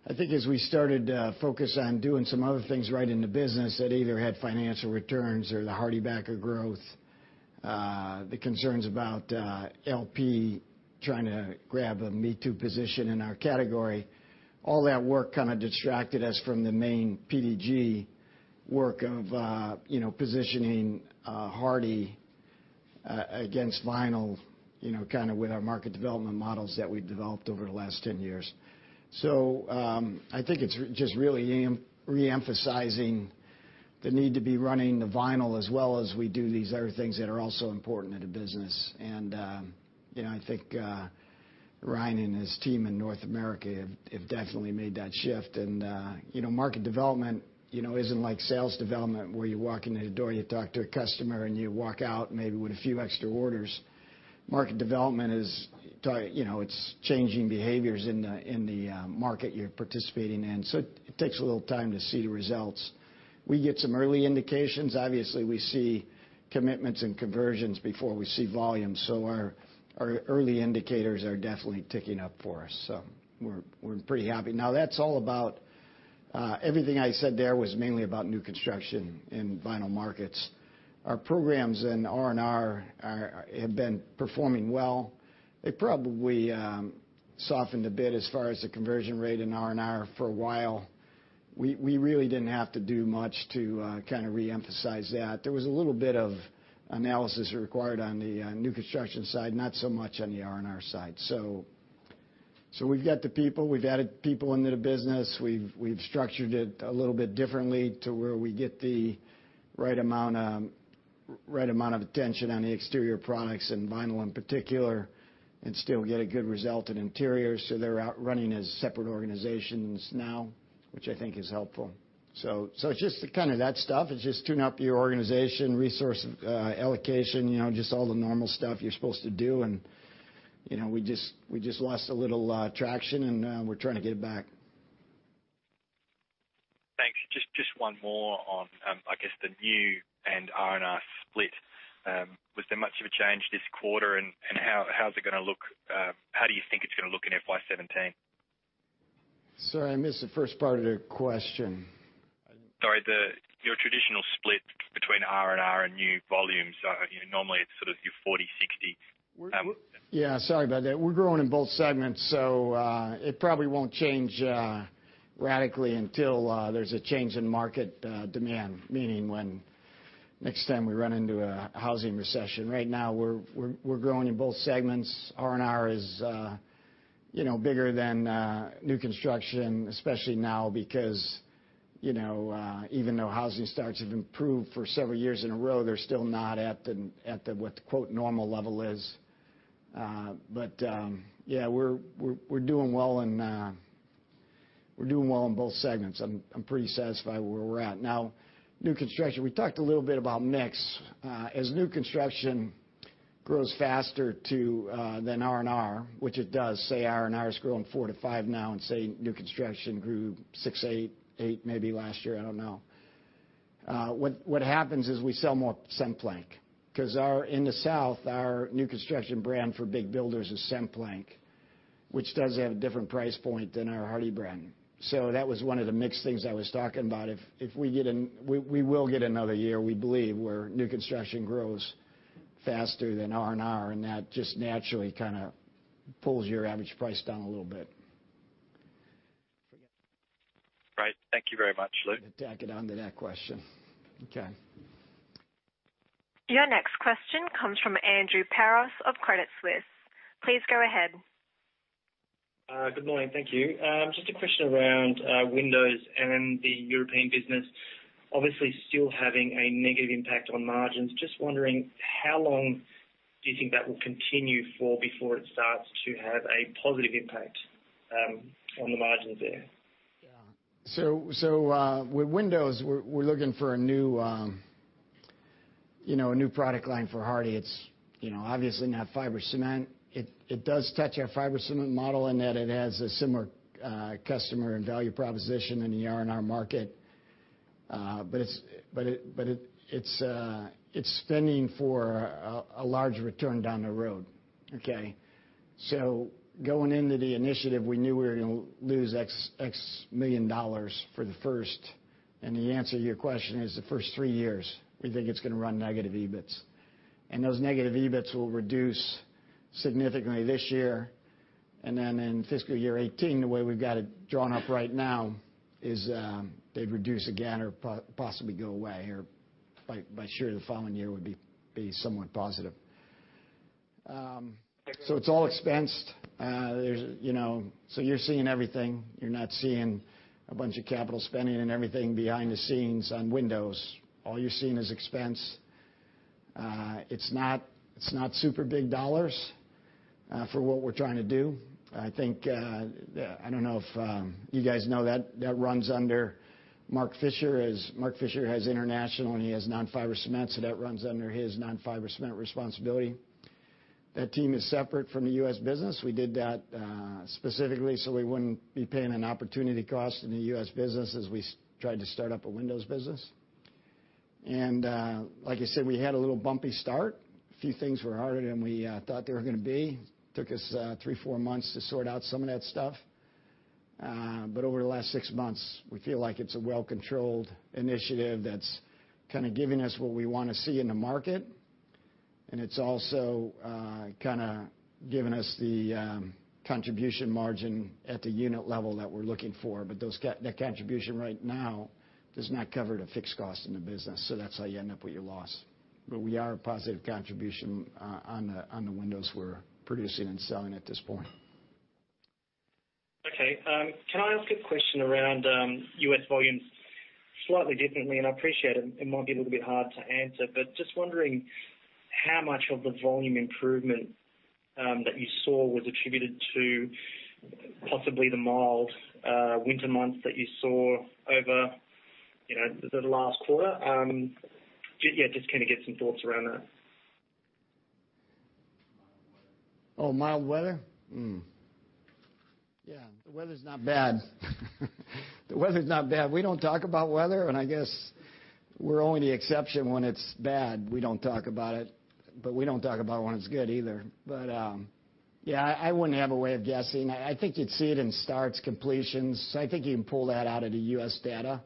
I think as we started to focus on doing some other things right in the business that either had financial returns or the HardieBacker growth, the concerns about LP trying to grab a me-too position in our category, all that work kind of distracted us from the main PDG work of, you know, positioning Hardie against vinyl, you know, kind of with our market development models that we've developed over the last 10 years. So, I think it's just really reemphasizing the need to be running the vinyl as well as we do these other things that are also important to the business. And, you know, I think Ryan and his team in North America have definitely made that shift. And, you know, market development, you know, isn't like sales development, where you walk into the door, you talk to a customer, and you walk out maybe with a few extra orders. Market development is, you know, it's changing behaviors in the market you're participating in, so it takes a little time to see the results. We get some early indications. Obviously, we see commitments and conversions before we see volume, so our early indicators are definitely ticking up for us, so we're pretty happy. Now that's all about everything I said there was mainly about new construction in vinyl markets. Our programs in R&R are, have been performing well. They probably softened a bit as far as the conversion rate in R&R for a while. We really didn't have to do much to kind of reemphasize that. There was a little bit of analysis required on the new construction side, not so much on the R&R side. We've got the people. We've added people into the business. We've structured it a little bit differently to where we get the right amount of attention on the exterior products and vinyl, in particular, and still get a good result in interior. They're now running as separate organizations, which I think is helpful. It's just kind of that stuff. It's just tuning up your organization, resource allocation, you know, just all the normal stuff you're supposed to do. You know, we just lost a little traction, and we're trying to get it back. Thanks. Just one more on, I guess, the new and R&R split. Was there much of a change this quarter, and how's it gonna look, how do you think it's gonna look in FY seventeen? Sorry, I missed the first part of the question. Sorry, the your traditional split between R&R and new volumes are, you know, normally it's sort of your forty, sixty. Yeah, sorry about that. We're growing in both segments, so it probably won't change radically until there's a change in market demand. Meaning when next time we run into a housing recession. Right now, we're growing in both segments. R&R is, you know, bigger than new construction, especially now, because, you know, even though housing starts have improved for several years in a row, they're still not at the, at the, what the quote normal level is. But yeah, we're doing well, and we're doing well in both segments. I'm pretty satisfied where we're at. Now, new construction, we talked a little bit about mix. As new construction grows faster than R&R, which it does, say, R&R is growing four to five now, and, say, new construction grew six to eight, maybe last year, I don't know. What happens is we sell more CemPlank because, in the South, our new construction brand for big builders is CemPlank, which does have a different price point than our Hardie brand. So that was one of the mix things I was talking about. If we get another year, we believe, where new construction grows faster than R&R, and that just naturally kind of pulls your average price down a little bit. Forget- Great. Thank you very much, Lou. To tack it on to that question. Okay. Your next question comes from Andrew Peros of Credit Suisse. Please go ahead. Good morning. Thank you. Just a question around windows and the European business. Obviously, still having a negative impact on margins. Just wondering, how long do you think that will continue for before it starts to have a positive impact on the margins there? Yeah. So, with windows, we're looking for a new, you know, a new product line for Hardie. It's, you know, obviously not fiber cement. It does touch our fiber cement model in that it has a similar, customer and value proposition in the R&R market. But it's spinning for a large return down the road, okay? So going into the initiative, we knew we were gonna lose x million dollars for the first... and the answer to your question is the first three years, we think it's gonna run negative EBIT. Those negative EBITs will reduce significantly this year, and then in fiscal year 2018, the way we've got it drawn up right now is they'd reduce again or possibly go away, or by, by sure, the following year would be somewhat positive. So it's all expensed. There's, you know, so you're seeing everything. You're not seeing a bunch of capital spending and everything behind the scenes on windows. All you're seeing is expense. It's not super big dollars for what we're trying to do. I think I don't know if you guys know that that runs under Mark Fisher. As Mark Fisher has international, and he has non-fiber cement, so that runs under his non-fiber cement responsibility. That team is separate from the U.S. business. We did that specifically, so we wouldn't be paying an opportunity cost in the U.S. business as we tried to start up a windows business, and like I said, we had a little bumpy start. A few things were harder than we thought they were gonna be. Took us three, four months to sort out some of that stuff, but over the last six months, we feel like it's a well-controlled initiative that's kind of giving us what we want to see in the market, and it's also kind of giving us the contribution margin at the unit level that we're looking for, but that contribution right now does not cover the fixed cost in the business, so that's how you end up with your loss. But we are a positive contribution on the, on the windows we're producing and selling at this point. Okay, can I ask a question around US volumes slightly differently, and I appreciate it, it might be a little bit hard to answer, but just wondering how much of the volume improvement that you saw was attributed to possibly the mild winter months that you saw over you know the last quarter. Yeah, just kind of get some thoughts around that. Oh, mild weather? Yeah, the weather's not bad. The weather's not bad. We don't talk about weather, and I guess we're only the exception when it's bad. We don't talk about it, but we don't talk about it when it's good either. But yeah, I wouldn't have a way of guessing. I think you'd see it in starts, completions. I think you can pull that out of the U.S. data.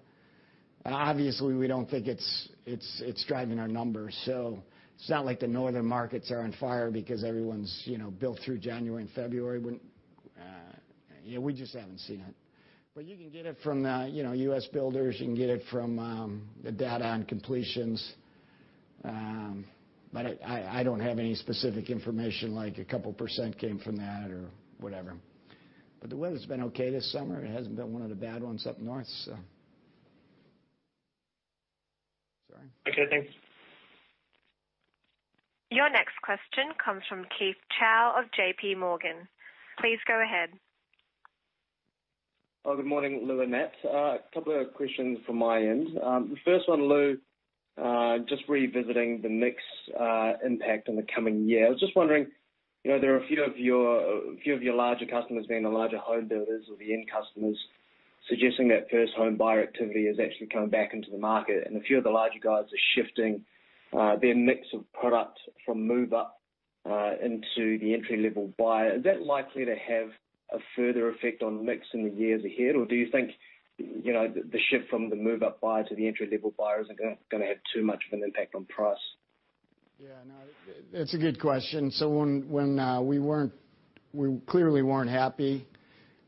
Obviously, we don't think it's driving our numbers. So it's not like the northern markets are on fire because everyone's, you know, built through January and February when. Yeah, we just haven't seen it. But you can get it from the, you know, U.S. builders. You can get it from the data on completions. But I don't have any specific information, like a couple % came from that or whatever. But the weather's been okay this summer. It hasn't been one of the bad ones up north, so. Sorry? Okay, thanks. Your next question comes from Keith Chau of J.P. Morgan. Please go ahead. Oh, good morning, Lou and Matt. A couple of questions from my end. The first one, Lou, just revisiting the mix impact in the coming year. I was just wondering, you know, there are a few of your larger customers being the larger home builders or the end customers, suggesting that first home buyer activity is actually coming back into the market, and a few of the larger guys are shifting their mix of product from move-up into the entry-level buyer. Is that likely to have a further effect on mix in the years ahead, or do you think, you know, the shift from the move-up buyer to the entry-level buyer isn't gonna have too much of an impact on price? Yeah, no, it's a good question. So when we weren't, we clearly weren't happy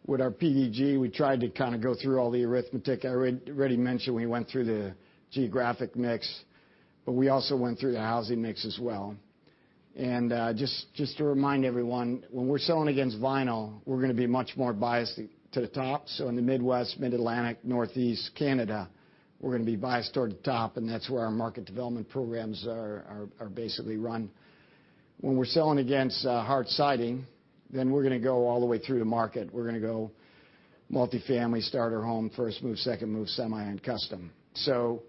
with our PDG, we tried to kind of go through all the arithmetic. I already mentioned we went through the geographic mix, but we also went through the housing mix as well. And just to remind everyone, when we're selling against vinyl, we're gonna be much more biased to the top. So in the Midwest, Mid-Atlantic, Northeast Canada, we're gonna be biased toward the top, and that's where our market development programs are basically run. When we're selling against hard siding, then we're gonna go all the way through the market. We're gonna go multifamily, starter home, first move, second move, semi and custom. So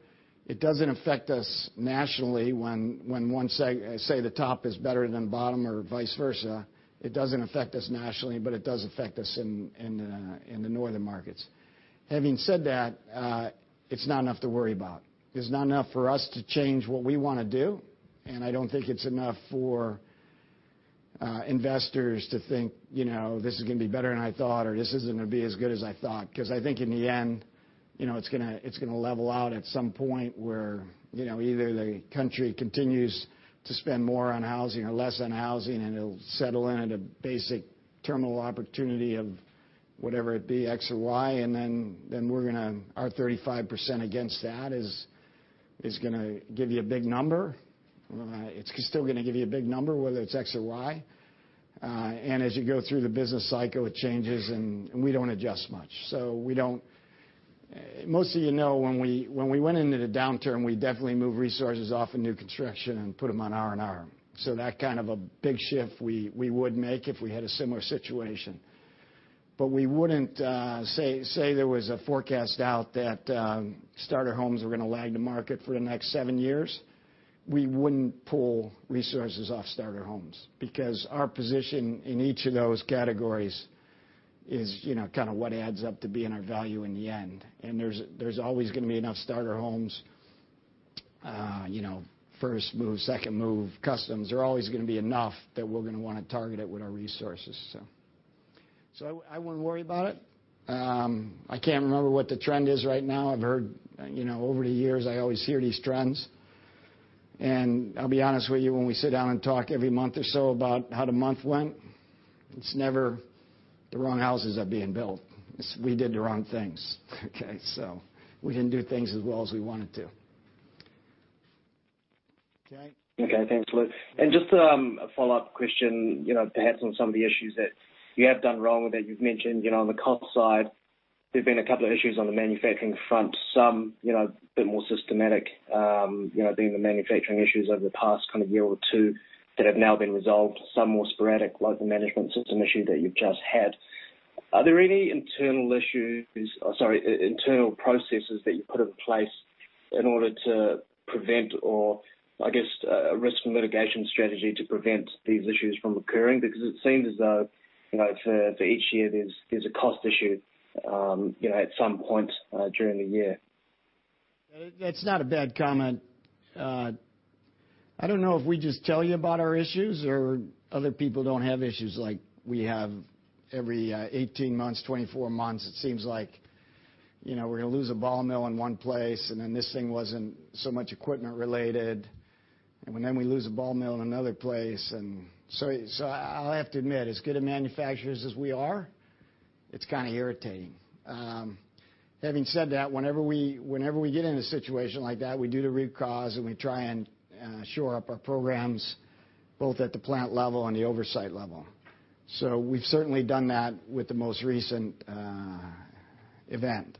it doesn't affect us nationally when one, say, the top is better than bottom or vice versa. It doesn't affect us nationally, but it does affect us in the northern markets. Having said that, it's not enough to worry about. It's not enough for us to change what we wanna do, and I don't think it's enough for investors to think, you know, this is gonna be better than I thought, or this isn't gonna be as good as I thought. 'Cause I think in the end, you know, it's gonna level out at some point where, you know, either the country continues to spend more on housing or less on housing, and it'll settle in at a basic terminal opportunity of whatever it be, X or Y, and then we're gonna... Our 35% against that is gonna give you a big number. It's still gonna give you a big number, whether it's X or Y. And as you go through the business cycle, it changes, and we don't adjust much. So we don't. Most of you know, when we went into the downturn, we definitely moved resources off of new construction and put them on R&R. So that kind of a big shift we would make if we had a similar situation. But we wouldn't say there was a forecast out that starter homes were gonna lag the market for the next seven years. We wouldn't pull resources off starter homes because our position in each of those categories is, you know, kind of what adds up to being our value in the end. And there's always gonna be enough starter homes, you know, first move, second move, customs. There are always gonna be enough that we're gonna wanna target it with our resources, so. So I wouldn't worry about it. I can't remember what the trend is right now. I've heard, you know, over the years, I always hear these trends. And I'll be honest with you, when we sit down and talk every month or so about how the month went, it's never the wrong houses are being built. It's we did the wrong things, okay? So we didn't do things as well as we wanted to. Okay? Okay. Thanks, Lou. And just a follow-up question, you know, perhaps on some of the issues that you have gone wrong or that you've mentioned. You know, on the cost side, there've been a couple of issues on the manufacturing front, some, you know, a bit more systematic, you know, being the manufacturing issues over the past kind of year or two that have now been resolved, some more sporadic, like the management system issue that you've just had. Are there any internal issues, or sorry, internal processes that you put in place in order to prevent or, I guess, a risk mitigation strategy to prevent these issues from occurring? Because it seems as though, you know, for each year, there's a cost issue, you know, at some point during the year. That's not a bad comment. I don't know if we just tell you about our issues or other people don't have issues like we have every eighteen months, twenty-four months. It seems like, you know, we're gonna lose a ball mill in one place, and then this thing wasn't so much equipment related, and then we lose a ball mill in another place. And so, so I'll have to admit, as good at manufacturers as we are, it's kind of irritating. Having said that, whenever we get in a situation like that, we do the root cause, and we try and shore up our programs, both at the plant level and the oversight level. So we've certainly done that with the most recent event.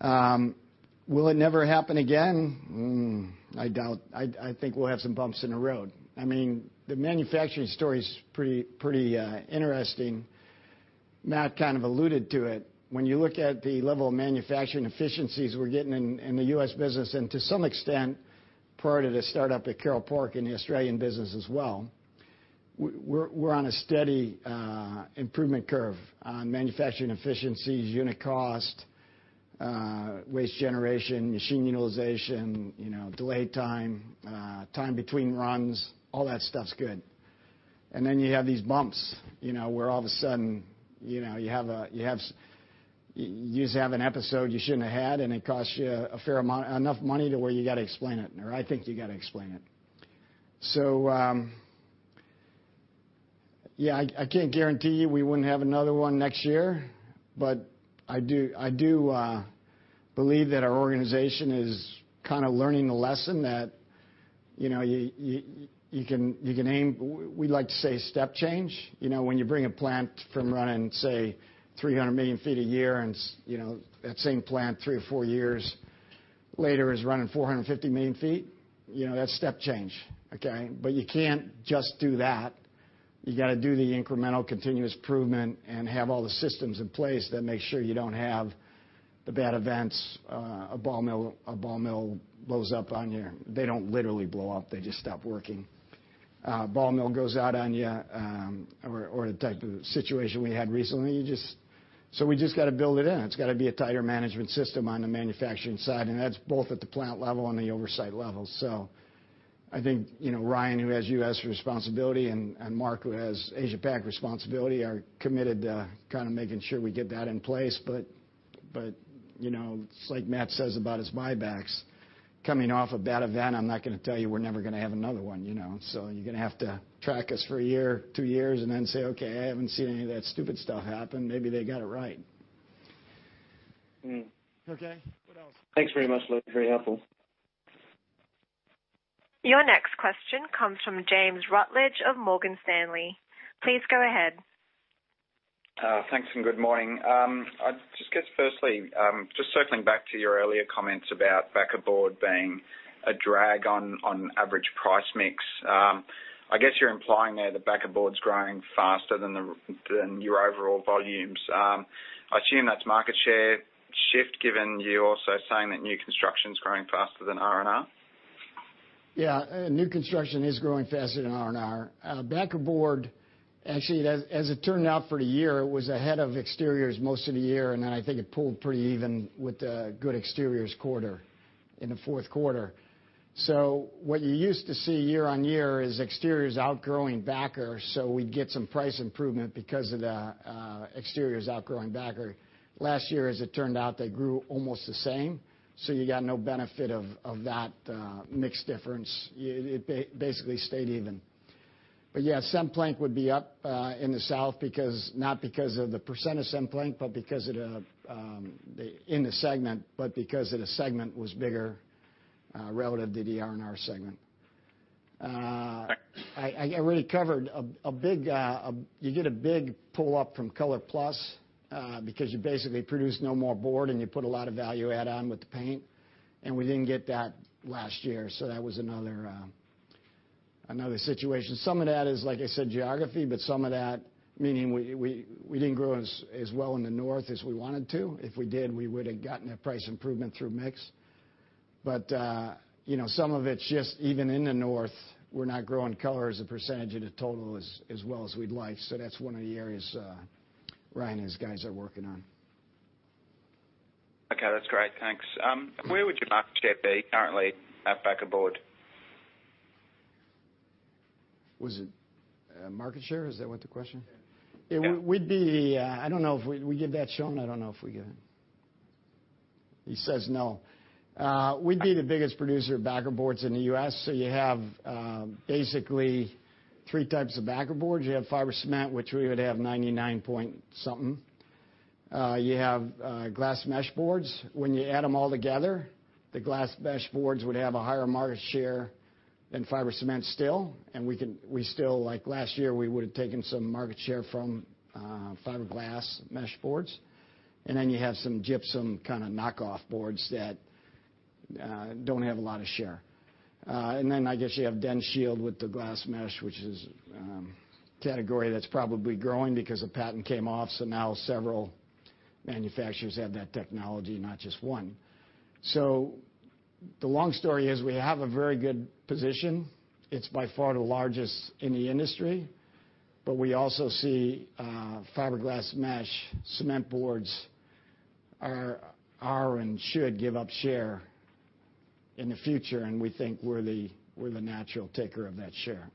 Will it never happen again? I doubt. I think we'll have some bumps in the road. I mean, the manufacturing story's pretty interesting. Matt kind of alluded to it. When you look at the level of manufacturing efficiencies we're getting in the US business, and to some extent, prior to the startup at Carroll Park in the Australian business as well, we're on a steady improvement curve on manufacturing efficiencies, unit cost, waste generation, machine utilization, you know, delay time, time between runs. All that stuff's good. And then you have these bumps, you know, where all of a sudden, you know, you have an episode you shouldn't have had, and it costs you a fair amount, enough money to where you gotta explain it, or I think you gotta explain it. Yeah, I can't guarantee you we wouldn't have another one next year, but I do believe that our organization is kind of learning the lesson that, you know, you can aim. We like to say step change. You know, when you bring a plant from running, say, three hundred million feet a year, and, you know, that same plant, three or four years later is running four hundred and fifty million feet, you know, that's step change. Okay? But you can't just do that. You gotta do the incremental continuous improvement and have all the systems in place that make sure you don't have the bad events. A ball mill blows up on you. They don't literally blow up. They just stop working. Ball mill goes out on you, or the type of situation we had recently. So we just gotta build it in. It's gotta be a tighter management system on the manufacturing side, and that's both at the plant level and the oversight level. So I think, you know, Ryan, who has US responsibility, and Mark, who has Asia Pac responsibility, are committed to kind of making sure we get that in place. But, you know, it's like Matt says about his buybacks. Coming off a bad event, I'm not gonna tell you we're never gonna have another one, you know? So you're gonna have to track us for a year, two years, and then say, "Okay, I haven't seen any of that stupid stuff happen. Maybe they got it right." Mm. Okay, what else? Thanks very much, Lou. Very helpful. Your next question comes from James Rutledge of Morgan Stanley. Please go ahead. Thanks, and good morning. I just guess firstly, just circling back to your earlier comments about backer board being a drag on average price mix. I guess you're implying there that backer board's growing faster than your overall volumes. I assume that's market share shift, given you're also saying that new construction is growing faster than R&R? Yeah, new construction is growing faster than R&R. Backer board, actually, as it turned out for the year, it was ahead of exteriors most of the year, and then I think it pulled pretty even with a good exteriors quarter in the fourth quarter. So what you used to see year on year is exteriors outgrowing backer, so we'd get some price improvement because of the exteriors outgrowing backer. Last year, as it turned out, they grew almost the same, so you got no benefit of that mix difference. It basically stayed even. But, yeah, CemPlank would be up in the South because, not because of the percent of CemPlank, but because of the segment was bigger relative to the R&R segment. I already covered a big pull-up from ColorPlus, because you basically produce no more board, and you put a lot of value add on with the paint, and we didn't get that last year, so that was another situation. Some of that is, like I said, geography, but some of that, meaning we didn't grow as well in the North as we wanted to. If we did, we would've gotten a price improvement through mix. But you know, some of it's just, even in the North, we're not growing color as a percentage of the total as well as we'd like. So that's one of the areas Ryan and his guys are working on. Okay. That's great, thanks. Where would your market share be currently at backer board? Was it market share? Is that what the question? Yeah. We'd be, I don't know if we get that shown. I don't know if we get it. He says no. We'd be the biggest producer of backer boards in the U.S. So you have basically three types of backer boards. You have fiber cement, which we would have 99 point something. You have glass mesh boards. When you add them all together, the glass mesh boards would have a higher market share than fiber cement still, and we still, like last year, we would have taken some market share from fiberglass mesh boards. And then you have some gypsum kind of knockoff boards that don't have a lot of share. And then I guess you have DensShield with the glass mesh, which is, category that's probably growing because the patent came off, so now several manufacturers have that technology, not just one. So the long story is we have a very good position. It's by far the largest in the industry, but we also see, fiberglass mesh cement boards are and should give up share in the future, and we think we're the natural taker of that share.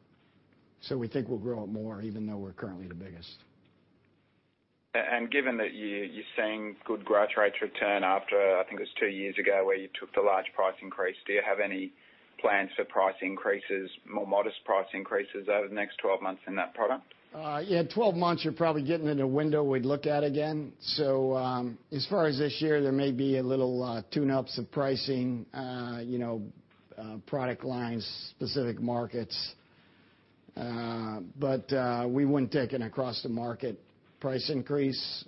So we think we'll grow it more, even though we're currently the biggest. And given that you, you're seeing good growth rates return after, I think it was two years ago, where you took the large price increase, do you have any plans for price increases, more modest price increases over the next twelve months in that product? Yeah, 12 months, you're probably getting in a window we'd look at again. So, as far as this year, there may be a little tune-ups of pricing, you know, product lines, specific markets. But, we wouldn't take an across the market price increase.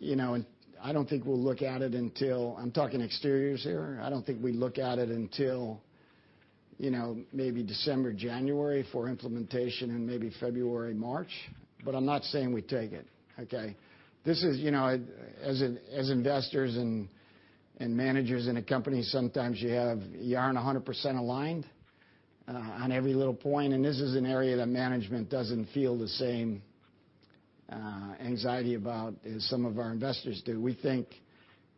You know, and I don't think we'll look at it until. I'm talking exteriors here, you know, maybe December, January for implementation, and maybe February, March, but I'm not saying we take it, okay? This is, you know, as investors and managers in a company, sometimes you aren't 100% aligned on every little point, and this is an area that management doesn't feel the same anxiety about as some of our investors do. We think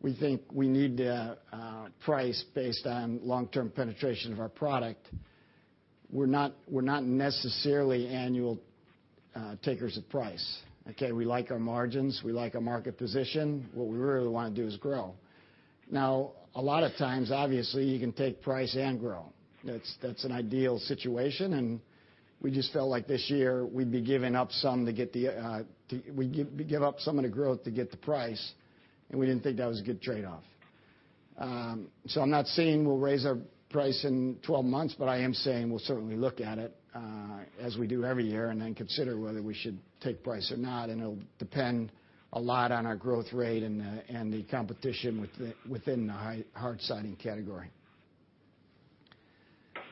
we need to price based on long-term penetration of our product. We're not necessarily annual takers of price, okay? We like our margins. We like our market position. What we really want to do is grow. Now, a lot of times, obviously, you can take price and grow. That's an ideal situation, and we just felt like this year we'd be giving up some of the growth to get the price, and we didn't think that was a good trade-off, so I'm not saying we'll raise our price in 12 months, but I am saying we'll certainly look at it, as we do every year, and then consider whether we should take price or not. And it'll depend a lot on our growth rate and the competition within the hard siding category.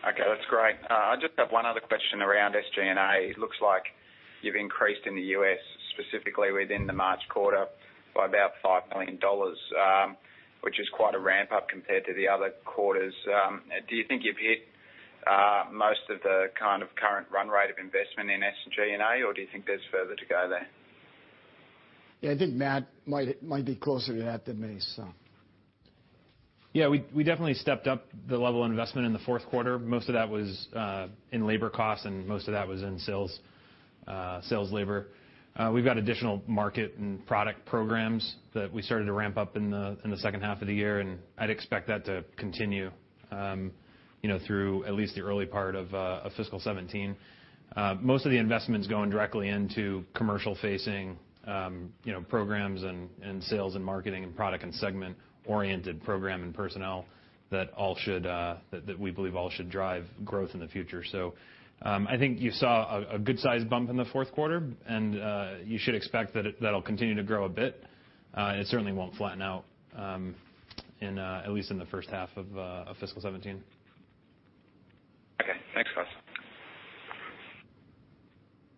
Okay, that's great. I just have one other question around SG&A. It looks like you've increased in the U.S., specifically within the March quarter, by about $5 million, which is quite a ramp-up compared to the other quarters. Do you think you've hit most of the kind of current run rate of investment in SG&A, or do you think there's further to go there? Yeah, I think Matt might be closer to that than me, so. Yeah, we definitely stepped up the level of investment in the fourth quarter. Most of that was in labor costs, and most of that was in sales labor. We've got additional market and product programs that we started to ramp up in the second half of the year, and I'd expect that to continue, you know, through at least the early part of fiscal 2017. Most of the investment's going directly into commercial-facing, you know, programs and sales and marketing and product and segment-oriented program and personnel that all should, that we believe all should drive growth in the future. So, I think you saw a good-sized bump in the fourth quarter, and you should expect that it'll continue to grow a bit. and it certainly won't flatten out in at least the first half of fiscal 2017. Okay. Thanks, guys.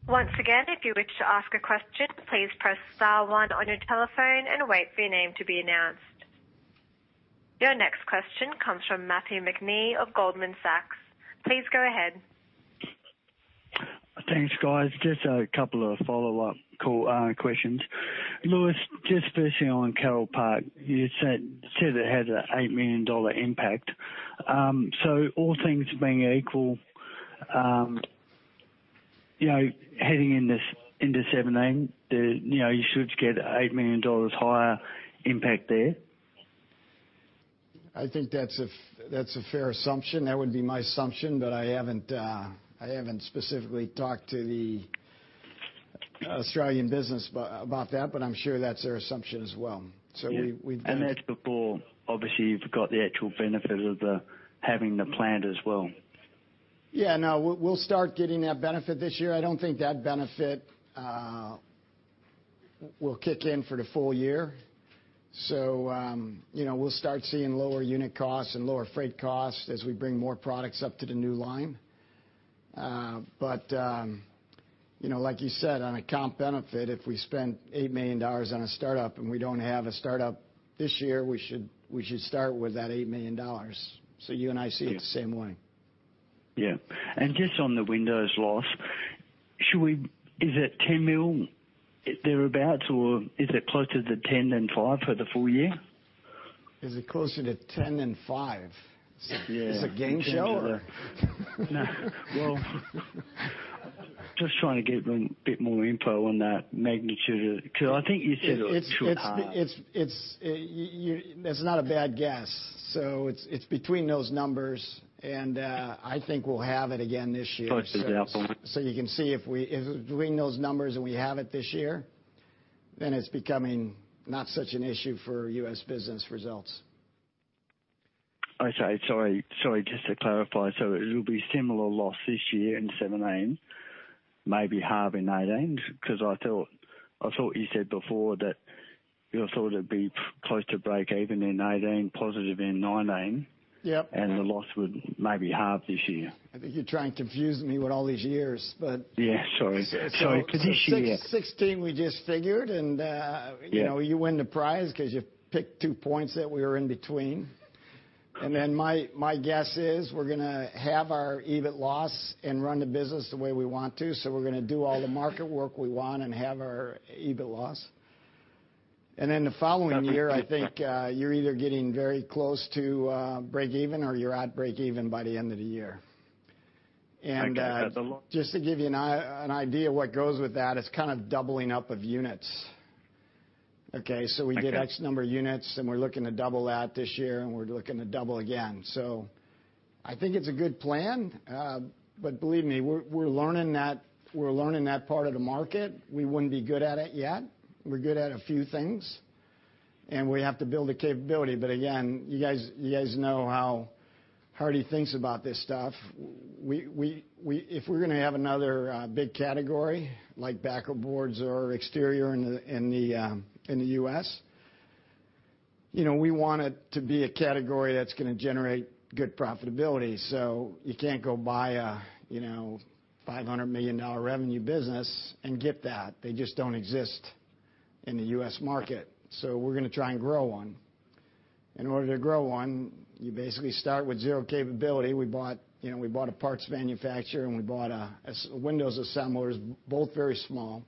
Once again, if you wish to ask a question, please press star one on your telephone and wait for your name to be announced. Your next question comes from Matthew McNee of Goldman Sachs. Please go ahead. Thanks, guys. Just a couple of follow-up questions. Louis, just firstly on Carroll Park, you said it had an $8 million impact. So all things being equal, you know, heading into 2017, you know, you should get $8 million higher impact there? I think that's a, that's a fair assumption. That would be my assumption, but I haven't, I haven't specifically talked to the Australian business about, about that, but I'm sure that's their assumption as well. So we, we- And that's before, obviously, you've got the actual benefit of the, having the plant as well. Yeah, no, we'll start getting that benefit this year. I don't think that benefit will kick in for the full year. So, you know, we'll start seeing lower unit costs and lower freight costs as we bring more products up to the new line. But, you know, like you said, on account benefit, if we spend $8 million on a startup and we don't have a startup this year, we should start with that $8 million. So you and I see it the same way. Yeah. And just on the windows loss, is it 10 million thereabout, or is it closer to 10 and 5 for the full year? Is it closer to 10 and five? Yeah. It's a game show, or? No, well, just trying to get a bit more info on that magnitude, because I think you said it was- It's. You, that's not a bad guess. So it's between those numbers, and I think we'll have it again this year. Closer to that one. So you can see if between those numbers and we have it this year, then it's becoming not such an issue for U.S. business results. I say, sorry, just to clarify, so it'll be similar loss this year in 2017, maybe half in 2018, because I thought you said before that you thought it'd be close to breakeven in 2018, positive in 2019. Yep. The loss would maybe halve this year. I think you're trying to confuse me with all these years, but- Yeah, sorry. So this year. 2016, we just figured, and, you know, you win the prize because you picked two points that we were in between. And then my guess is we're gonna have our EBIT loss and run the business the way we want to, so we're gonna do all the market work we want and have our EBIT loss. And then the following year, I think, you're either getting very close to breakeven or you're at breakeven by the end of the year. Okay, that's a lot- Just to give you an idea of what goes with that, it's kind of doubling up of units. Okay? Okay. So we did X number of units, and we're looking to double that this year, and we're looking to double again. So I think it's a good plan, but believe me, we're learning that part of the market. We wouldn't be good at it yet. We're good at a few things. And we have to build a capability. But again, you guys know how Hardie thinks about this stuff. We if we're gonna have another big category, like backer boards or exterior in the US, you know, we want it to be a category that's gonna generate good profitability. So you can't go buy a $500 million revenue business and get that. They just don't exist in the US market. So we're gonna try and grow one. In order to grow one, you basically start with zero capability. We bought, you know, we bought a parts manufacturer, and we bought a windows assemblers, both very small.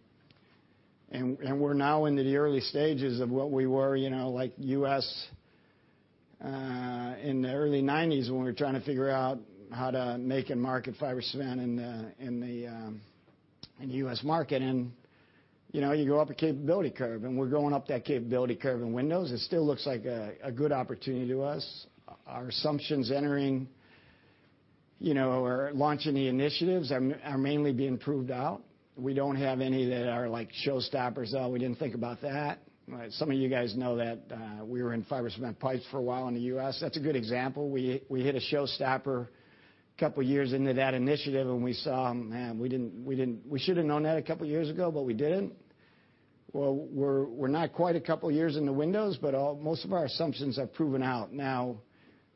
And we're now into the early stages of what we were, you know, like U.S., in the early 1990s, when we were trying to figure out how to make and market fiber cement in the U.S. market. And, you know, you go up a capability curve, and we're going up that capability curve in windows. It still looks like a good opportunity to us. Our assumptions entering, you know, or launching the initiatives are mainly being proved out. We don't have any that are like showstoppers, oh, we didn't think about that. Some of you guys know that we were in fiber cement pipes for a while in the U.S. That's a good example. We hit a showstopper a couple of years into that initiative, and we saw, man, we didn't. We should have known that a couple of years ago, but we didn't. Well, we're not quite a couple of years in the windows, but almost of our assumptions have proven out. Now,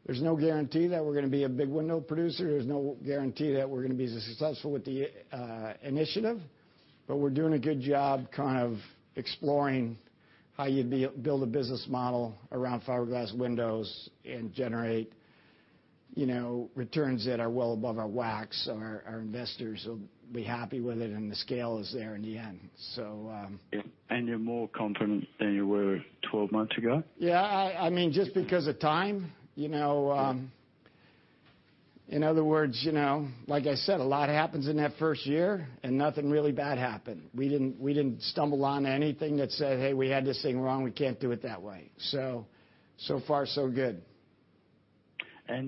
there's no guarantee that we're gonna be a big window producer. There's no guarantee that we're gonna be as successful with the initiative, but we're doing a good job kind of exploring how you build a business model around fiberglass windows and generate, you know, returns that are well above our WACC, so our investors will be happy with it, and the scale is there in the end. So, um- You're more confident than you were 12 months ago? Yeah, I mean, just because of time, you know... In other words, you know, like I said, a lot happens in that first year, and nothing really bad happened. We didn't stumble on anything that said, "Hey, we had this thing wrong, we can't do it that way." So, so far, so good.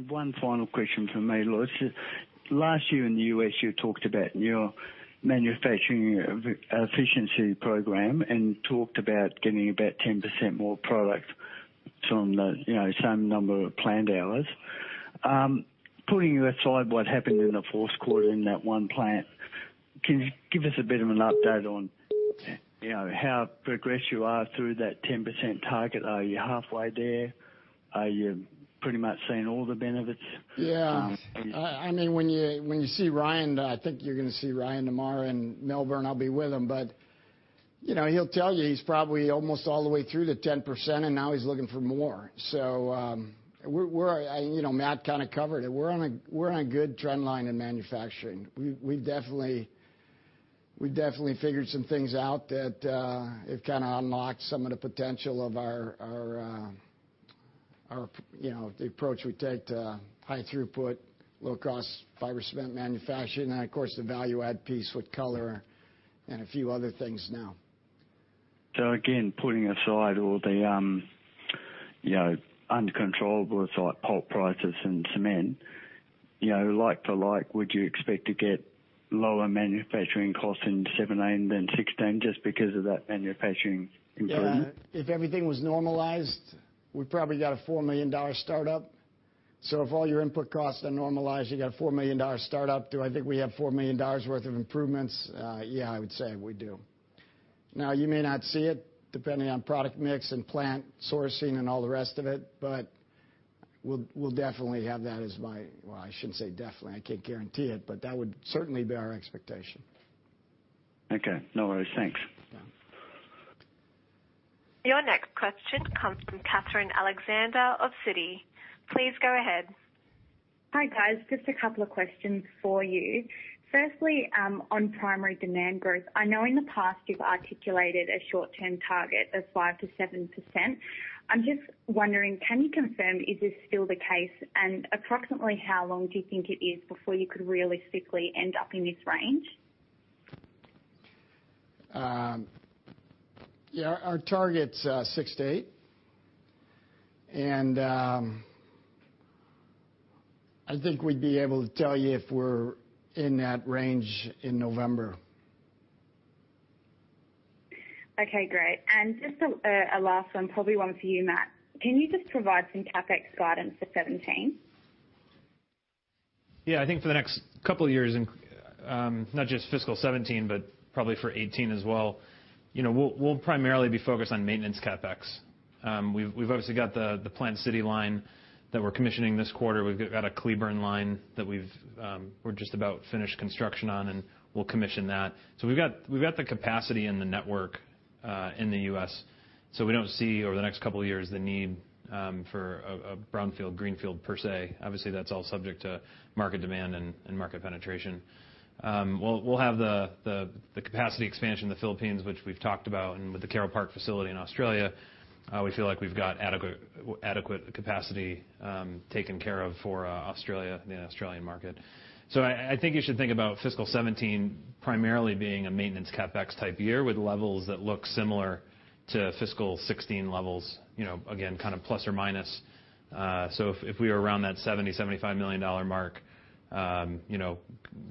One final question from me, Louis. Last year in the U.S., you talked about your manufacturing efficiency program and talked about getting about 10% more products from the, you know, same number of plant hours. Putting aside what happened in the fourth quarter in that one plant, can you give us a bit of an update on, you know, how progressed you are through that 10% target? Are you halfway there? Are you pretty much seeing all the benefits? Yeah. I mean, when you see Ryan, I think you're gonna see Ryan tomorrow in Melbourne, I'll be with him, but, you know, he'll tell you, he's probably almost all the way through the 10%, and now he's looking for more. So, we're you know, Matt kind of covered it. We're on a good trend line in manufacturing. We've definitely figured some things out that it kinda unlocked some of the potential of our, you know, the approach we take to high throughput, low cost, fiber cement manufacturing, and of course, the value add piece with color and a few other things now. So again, putting aside all the, you know, uncontrollables like pulp prices and cement, you know, like for like, would you expect to get lower manufacturing costs in 2017 than 2016 just because of that manufacturing improvement? Yeah, if everything was normalized, we probably got a $4 million startup. So if all your input costs are normalized, you got a $4 million startup. Do I think we have $4 million worth of improvements? Yeah, I would say we do. Now, you may not see it, depending on product mix and plant sourcing and all the rest of it, but we'll definitely have that as my... Well, I shouldn't say definitely, I can't guarantee it, but that would certainly be our expectation. Okay, no worries. Thanks. Yeah. Your next question comes from Kathryn Alexander of Citi. Please go ahead. Hi, guys. Just a couple of questions for you. Firstly, on primary demand growth, I know in the past you've articulated a short-term target of 5%-7%. I'm just wondering, can you confirm, is this still the case? And approximately how long do you think it is before you could realistically end up in this range? Yeah, our target's six to eight, and I think we'd be able to tell you if we're in that range in November. Okay, great. And just a last one, probably one for you, Matt. Can you just provide some CapEx guidance for 2017? Yeah, I think for the next couple of years, and not just fiscal 2017, but probably for 2018 as well, you know, we'll primarily be focused on maintenance CapEx. We've obviously got the Plant City line that we're commissioning this quarter. We've got a Cleburne line that we're just about finished construction on, and we'll commission that. So we've got the capacity and the network in the US, so we don't see over the next couple of years, the need for a brownfield, greenfield per se. Obviously, that's all subject to market demand and market penetration. We'll have the capacity expansion in the Philippines, which we've talked about, and with the Carroll Park facility in Australia, we feel like we've got adequate capacity taken care of for Australia, the Australian market. So I think you should think about fiscal seventeen primarily being a maintenance CapEx type year, with levels that look similar to fiscal sixteen levels, you know, again, kind of plus or minus. So if we are around that $70-$75 million mark, you know,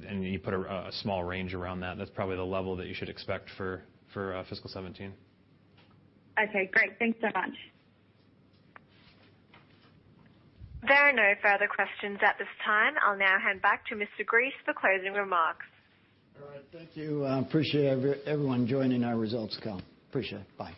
and you put a small range around that, that's probably the level that you should expect for fiscal seventeen. Okay, great. Thanks so much. There are no further questions at this time. I'll now hand back to Mr. Gries for closing remarks. All right. Thank you. Appreciate everyone joining our results call. Appreciate it. Bye.